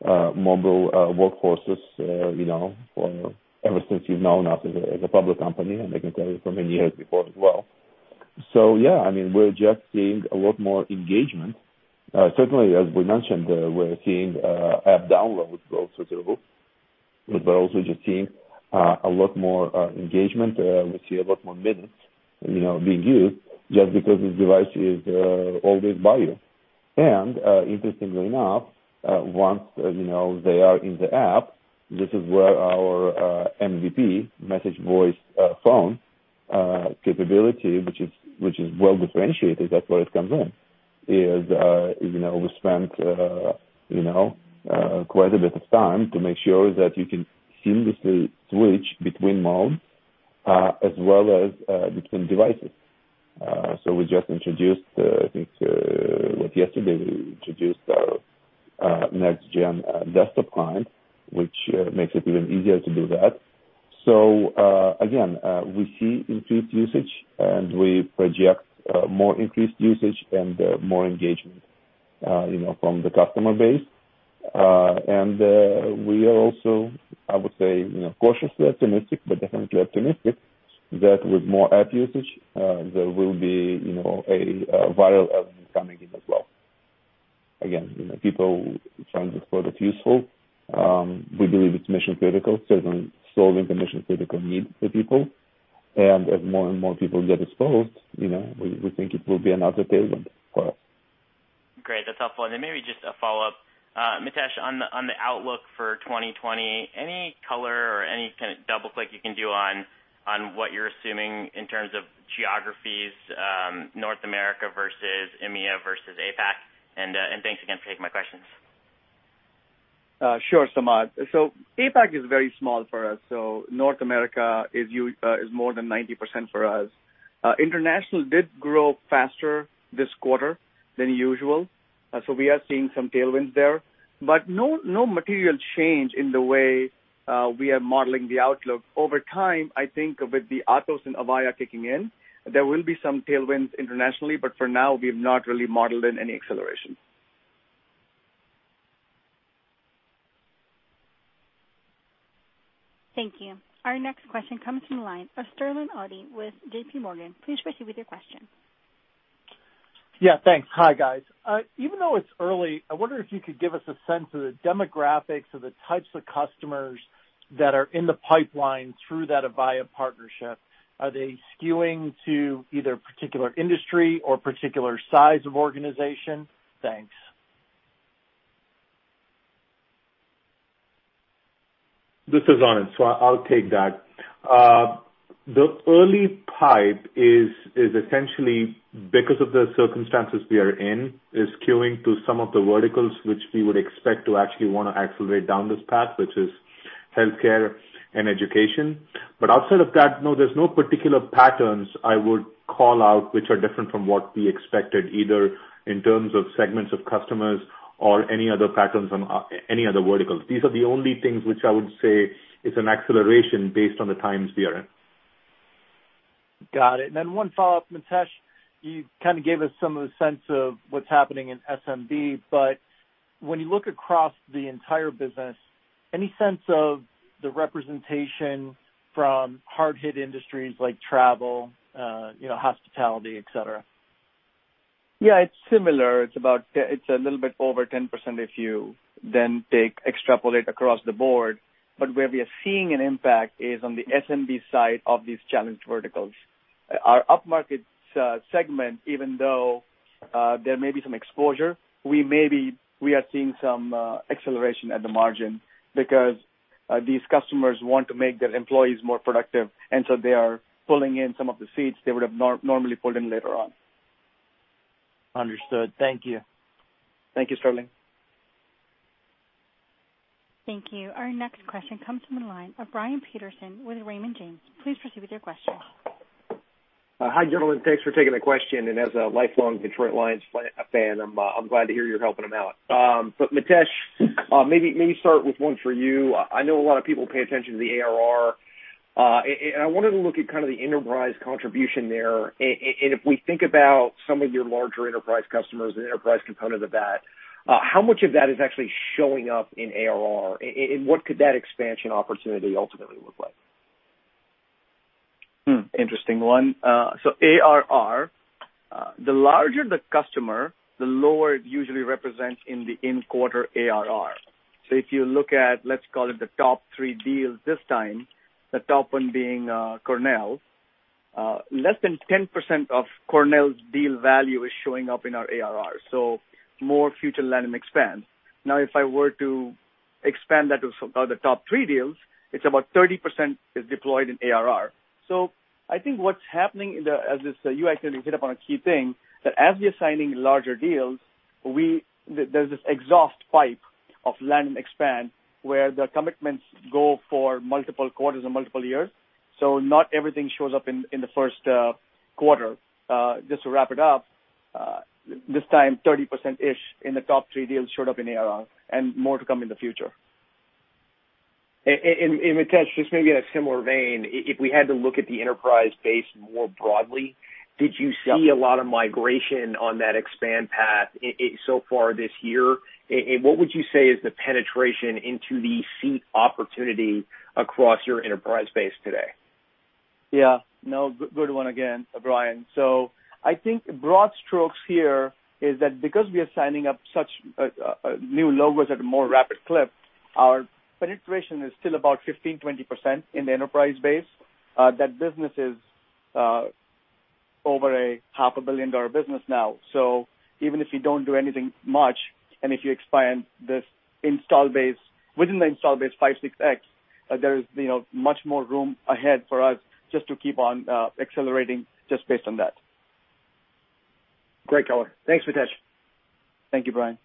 mobile workforces ever since you've known us as a public company, and I can tell you from many years before as well. So yeah, I mean, we're just seeing a lot more engagement. Certainly, as we mentioned, we're seeing app downloads go through the roof. But we're also just seeing a lot more engagement. We see a lot more minutes being used just because this device is always by you. And interestingly enough, once they are in the app, this is where our MVP, Message, Video, Phone capability, which is well differentiated. That's where it comes in, is we spent quite a bit of time to make sure that you can seamlessly switch between modes as well as between devices. So we just introduced, I think, what yesterday we introduced our next-gen desktop client, which makes it even easier to do that. So again, we see increased usage, and we project more increased usage and more engagement from the customer base. And we are also, I would say, cautiously optimistic, but definitely optimistic that with more app usage, there will be a viral element coming in as well. Again, people find this product useful. We believe it's mission-critical, certainly solving the mission-critical need for people. And as more and more people get exposed, we think it will be another tailwind for us. Great. That's helpful. And then maybe just a follow-up. Mitesh, on the outlook for 2020, any color or any kind of double-click you can do on what you're assuming in terms of geographies, North America versus EMEA versus APAC? And thanks again for taking my questions. Sure, Samad. So APAC is very small for us. So North America is more than 90% for us. International did grow faster this quarter than usual. So we are seeing some tailwinds there, but no material change in the way we are modeling the outlook. Over time, I think with the Atos and Avaya kicking in, there will be some tailwinds internationally, but for now, we have not really modeled in any acceleration. Thank you. Our next question comes from the line of Sterling Auty with JPMorgan. Please proceed with your question. Yeah. Thanks. Hi, guys. Even though it's early, I wonder if you could give us a sense of the demographics of the types of customers that are in the pipeline through that Avaya partnership. Are they skewing to either a particular industry or a particular size of organization? Thanks. This is Anand. So I'll take that. The early pipe is essentially, because of the circumstances we are in, is skewing to some of the verticals which we would expect to actually want to accelerate down this path, which is healthcare and education. But outside of that, no, there's no particular patterns I would call out which are different from what we expected, either in terms of segments of customers or any other patterns on any other verticals. These are the only things which I would say is an acceleration based on the times we are in. Got it. And then one follow-up, Mitesh. You kind of gave us some of the sense of what's happening in SMB, but when you look across the entire business, any sense of the representation from hard-hit industries like travel, hospitality, etc.? Yeah, it's similar. It's a little bit over 10% if you then extrapolate across the board. But where we are seeing an impact is on the SMB side of these challenge verticals. Our up-market segment, even though there may be some exposure, we are seeing some acceleration at the margin because these customers want to make their employees more productive, and so they are pulling in some of the seats they would have normally pulled in later on. Understood. Thank you. Thank you, Sterling. Thank you. Our next question comes from the line of Brian Peterson with Raymond James. Please proceed with your question. Hi, gentlemen. Thanks for taking the question. And as a lifelong Detroit Lions fan, I'm glad to hear you're helping them out. But Mitesh, maybe start with one for you. I know a lot of people pay attention to the ARR. And I wanted to look at kind of the enterprise contribution there. And if we think about some of your larger enterprise customers and enterprise components of that, how much of that is actually showing up in ARR? And what could that expansion opportunity ultimately look like? Interesting one. So ARR, the larger the customer, the lower it usually represents in the in-quarter ARR. So if you look at, let's call it the top three deals this time, the top one being Cornell, less than 10% of Cornell's deal value is showing up in our ARR. So more future land and expand. Now, if I were to expand that to the top three deals, it's about 30% is deployed in ARR. So I think what's happening as you actually hit upon a key thing that as we are signing larger deals, there's this exhaust pipe of land and expand where the commitments go for multiple quarters or multiple years. So not everything shows up in the first quarter. Just to wrap it up, this time, 30%-ish in the top three deals showed up in ARR and more to come in the future. Mitesh, just maybe in a similar vein, if we had to look at the enterprise base more broadly, did you see a lot of migration on that expansion path so far this year? And what would you say is the penetration into the seat opportunity across your enterprise base today? Yeah. No, good one again, Brian. So I think broad strokes here is that because we are signing up such new logos at a more rapid clip, our penetration is still about 15%-20% in the enterprise base. That business is over $500 million business now. So even if you don't do anything much and if you expand this installed base within the installed base 5-6X, there is much more room ahead for us just to keep on accelerating just based on that. Great color. Thanks, Mitesh. Thank you, Brian.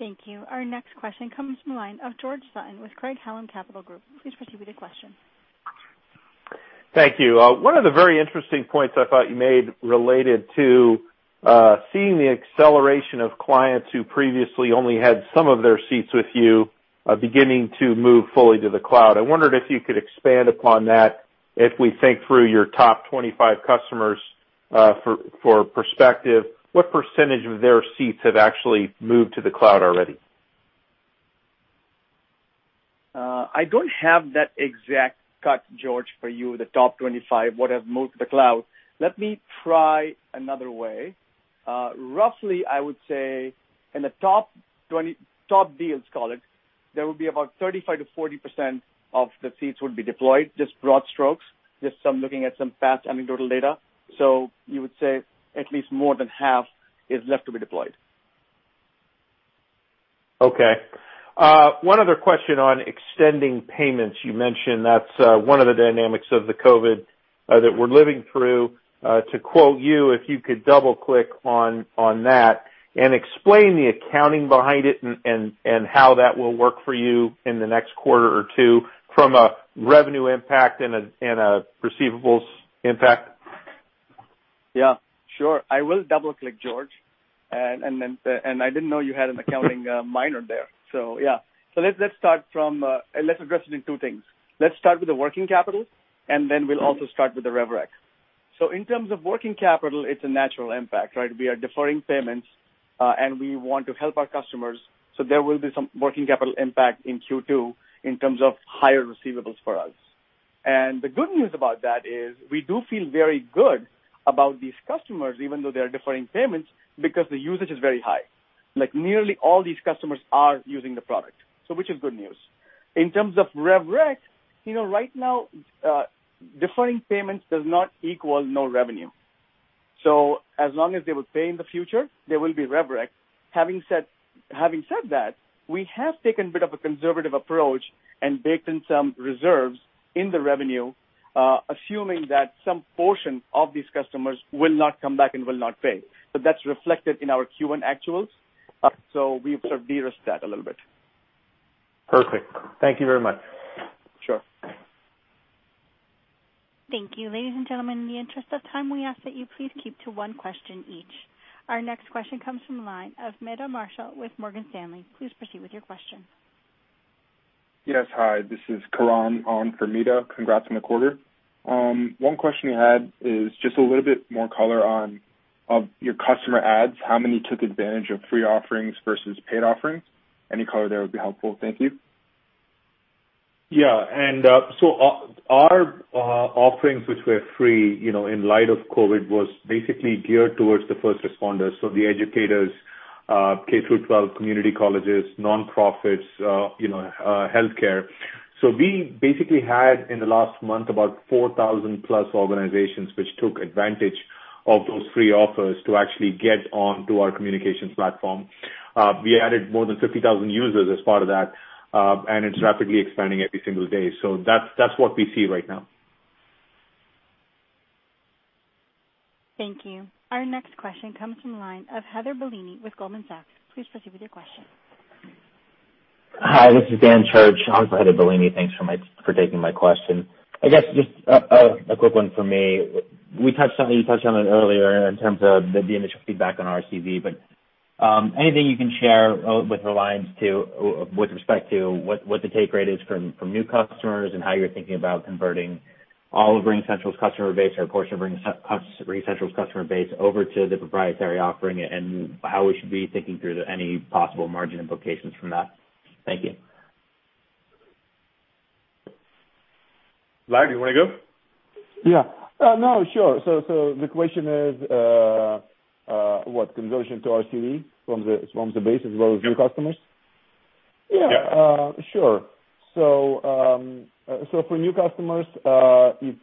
Thank you. Our next question comes from the line of George Sutton with Craig-Hallum Capital Group. Please proceed with your question. Thank you. One of the very interesting points I thought you made related to seeing the acceleration of clients who previously only had some of their seats with you beginning to move fully to the cloud. I wondered if you could expand upon that. If we think through your top 25 customers for perspective, what percentage of their seats have actually moved to the cloud already? I don't have that exact cut, George, for you, the top 25, what has moved to the cloud. Let me try another way. Roughly, I would say in the top deals, call it, there would be about 35%-40% of the seats would be deployed, just broad strokes, just looking at some past anecdotal data. So you would say at least more than half is left to be deployed. Okay. One other question on extending payments. You mentioned that's one of the dynamics of the COVID that we're living through. To quote you, if you could double-click on that and explain the accounting behind it and how that will work for you in the next quarter or two from a revenue impact and a receivables impact. Yeah. Sure. I will double-click, George. And I didn't know you had an accounting minor there. So yeah. So let's start from let's address it in two things. Let's start with the working capital, and then we'll also start with the RevRec. So in terms of working capital, it's a natural impact, right? We are deferring payments, and we want to help our customers. So there will be some working capital impact in Q2 in terms of higher receivables for us. And the good news about that is we do feel very good about these customers, even though they are deferring payments, because the usage is very high. Nearly all these customers are using the product, which is good news. In terms of rev rec, right now, deferring payments does not equal no revenue. So as long as they will pay in the future, there will be RevRec. Having said that, we have taken a bit of a conservative approach and baked in some reserves in the revenue, assuming that some portion of these customers will not come back and will not pay. But that's reflected in our Q1 actuals. So we've sort of de-risked that a little bit. Perfect. Thank you very much. Sure. Thank you. Ladies and gentlemen, in the interest of time, we ask that you please keep to one question each. Our next question comes from the line of Meta Marshall with Morgan Stanley. Please proceed with your question. Yes. Hi. This is Karan on for Meta. Congrats on the quarter. One question we had is just a little bit more color on your customer adds. How many took advantage of free offerings versus paid offerings? Any color there would be helpful. Thank you. Yeah, and so our offerings, which were free in light of COVID, was basically geared towards the first responders, so the educators, K-12 community colleges, nonprofits, healthcare, so we basically had, in the last month, about 4,000-plus organizations which took advantage of those free offers to actually get onto our communications platform. We added more than 50,000 users as part of that, and it's rapidly expanding every single day, so that's what we see right now. Thank you. Our next question comes from the line of Heather Bellini with Goldman Sachs. Please proceed with your question. Hi. This is Dan Church. I'm for Heather Bellini. Thanks for taking my question. I guess just a quick one for me. You touched on it earlier in terms of the initial feedback on RCV, but anything you can share with us with respect to what the take rate is from new customers and how you're thinking about converting all of RingCentral's customer base or a portion of RingCentral's customer base over to the proprietary offering and how we should be thinking through any possible margin implications from that? Thank you. Vlad, do you want to go? Yeah. No, sure. So the question is, what, conversion to RCV from the base as well as new customers? Yeah. Yeah. Sure. So for new customers, it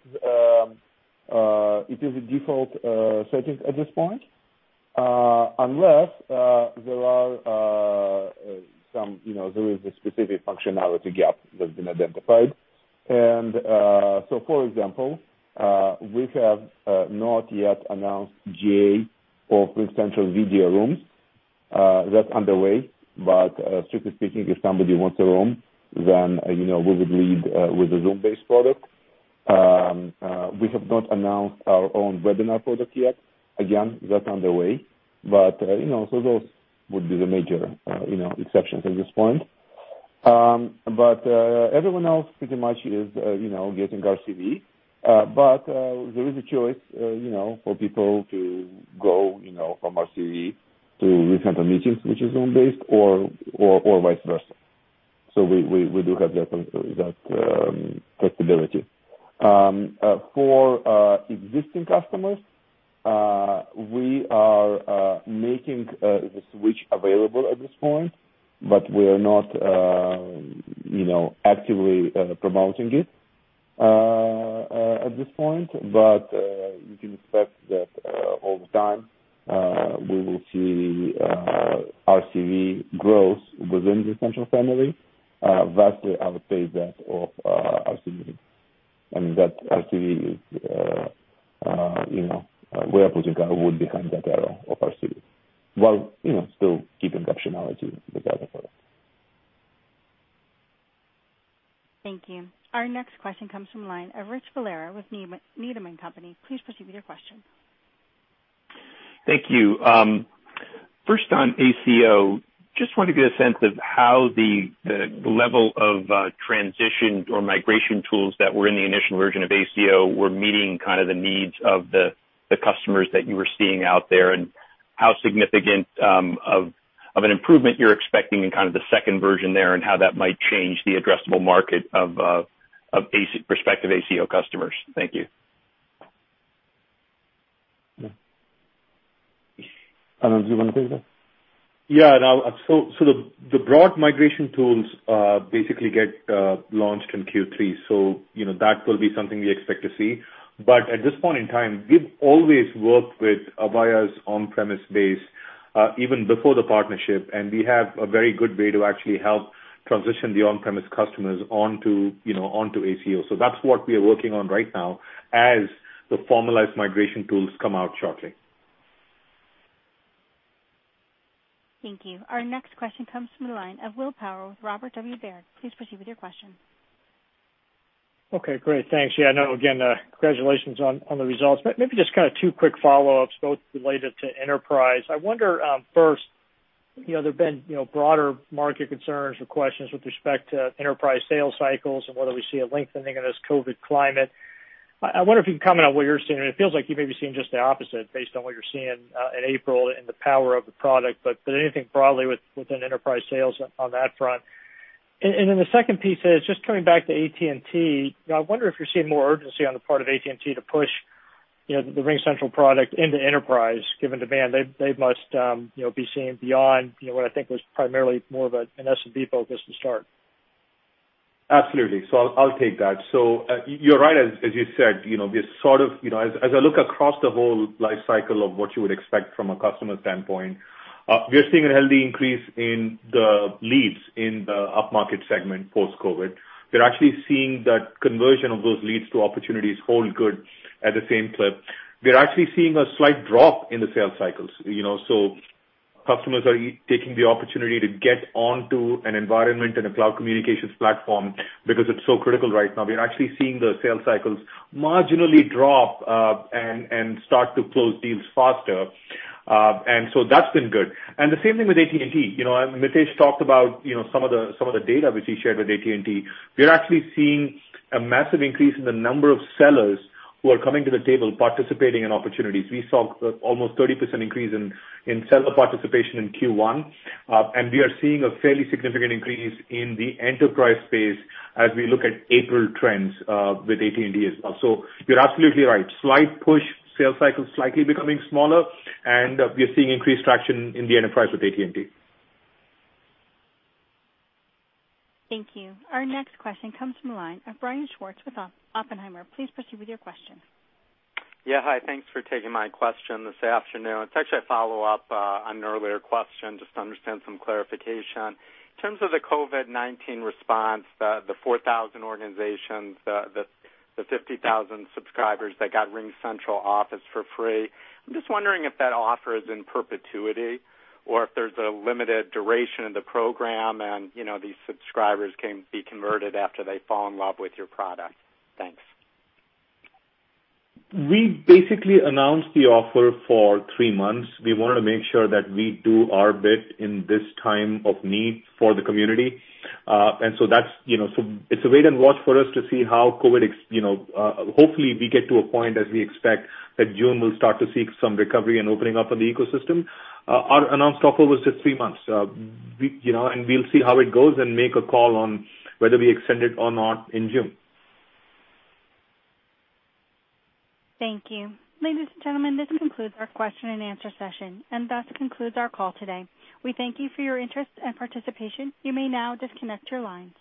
is a default setting at this point unless there is a specific functionality gap that's been identified. And so, for example, we have not yet announced GA for RingCentral Video Rooms. That's underway. But strictly speaking, if somebody wants a room, then we would lead with a Zoom-based product. We have not announced our own webinar product yet. Again, that's underway. But so those would be the major exceptions at this point. But everyone else pretty much is getting RCV. But there is a choice for people to go from RCV to RingCentral Meetings, which is Zoom-based, or vice versa. So we do have that flexibility. For existing customers, we are making the switch available at this point, but we are not actively promoting it at this point. But you can expect that over time we will see RCV grow within the RingCentral family. Yes, I would bet that on RCV. And for RCV, we are putting our weight behind that arrow for RCV while still keeping optionality with that effort. Thank you. Our next question comes from the line of Rich Valera with Needham & Company. Please proceed with your question. Thank you. First on ACO, just wanted to get a sense of how the level of transition or migration tools that were in the initial version of ACO were meeting kind of the needs of the customers that you were seeing out there and how significant of an improvement you're expecting in kind of the second version there and how that might change the addressable market of prospective ACO customers. Thank you. Do you want to take that? Yeah. So the broad migration tools basically get launched in Q3. So that will be something we expect to see. But at this point in time, we've always worked with Avaya's on-premises base even before the partnership. And we have a very good way to actually help transition the on-premises customers onto ACO. So that's what we are working on right now as the formalized migration tools come out shortly. Thank you. Our next question comes from the line of Will Power with Robert W. Baird. Please proceed with your question. Okay. Great. Thanks. Yeah. No, again, congratulations on the results. But maybe just kind of two quick follow-ups, both related to enterprise. I wonder first, there have been broader market concerns or questions with respect to enterprise sales cycles and whether we see a lengthening of this COVID climate. I wonder if you can comment on what you're seeing. It feels like you may be seeing just the opposite based on what you're seeing in April and the power of the product. But anything broadly within enterprise sales on that front? And then the second piece is just coming back to AT&T. I wonder if you're seeing more urgency on the part of AT&T to push the RingCentral product into enterprise, given demand. They must be seeing beyond what I think was primarily more of an SMB focus to start. Absolutely. So I'll take that. So you're right, as you said. We are sort of, as I look across the whole life cycle of what you would expect from a customer standpoint, seeing a healthy increase in the leads in the upmarket segment post-COVID. We're actually seeing that conversion of those leads to opportunities hold good at the same clip. We're actually seeing a slight drop in the sales cycles. Customers are taking the opportunity to get onto an environment and a cloud communications platform because it's so critical right now. We are actually seeing the sales cycles marginally drop and start to close deals faster. That's been good. The same thing with AT&T. Mitesh talked about some of the data which he shared with AT&T. We're actually seeing a massive increase in the number of sellers who are coming to the table participating in opportunities. We saw almost 30% increase in seller participation in Q1. And we are seeing a fairly significant increase in the enterprise space as we look at April trends with AT&T as well. So you're absolutely right. Slight push, sales cycle slightly becoming smaller, and we are seeing increased traction in the enterprise with AT&T. Thank you. Our next question comes from the line of Brian Schwartz with Oppenheimer. Please proceed with your question. Yeah. Hi. Thanks for taking my question this afternoon. It's actually a follow-up on an earlier question just to understand some clarification. In terms of the COVID-19 response, the 4,000 organizations, the 50,000 subscribers that got RingCentral Office for free, I'm just wondering if that offer is in perpetuity or if there's a limited duration of the program and these subscribers can be converted after they fall in love with your product? Thanks. We basically announced the offer for three months. We wanted to make sure that we do our bit in this time of need for the community, and so it's a wait and watch for us to see how COVID, hopefully, we get to a point as we expect that June will start to see some recovery and opening up of the ecosystem. Our announced offer was just three months, and we'll see how it goes and make a call on whether we extend it or not in June. Thank you. Ladies and gentlemen, this concludes our question and answer session. And that concludes our call today. We thank you for your interest and participation. You may now disconnect your lines.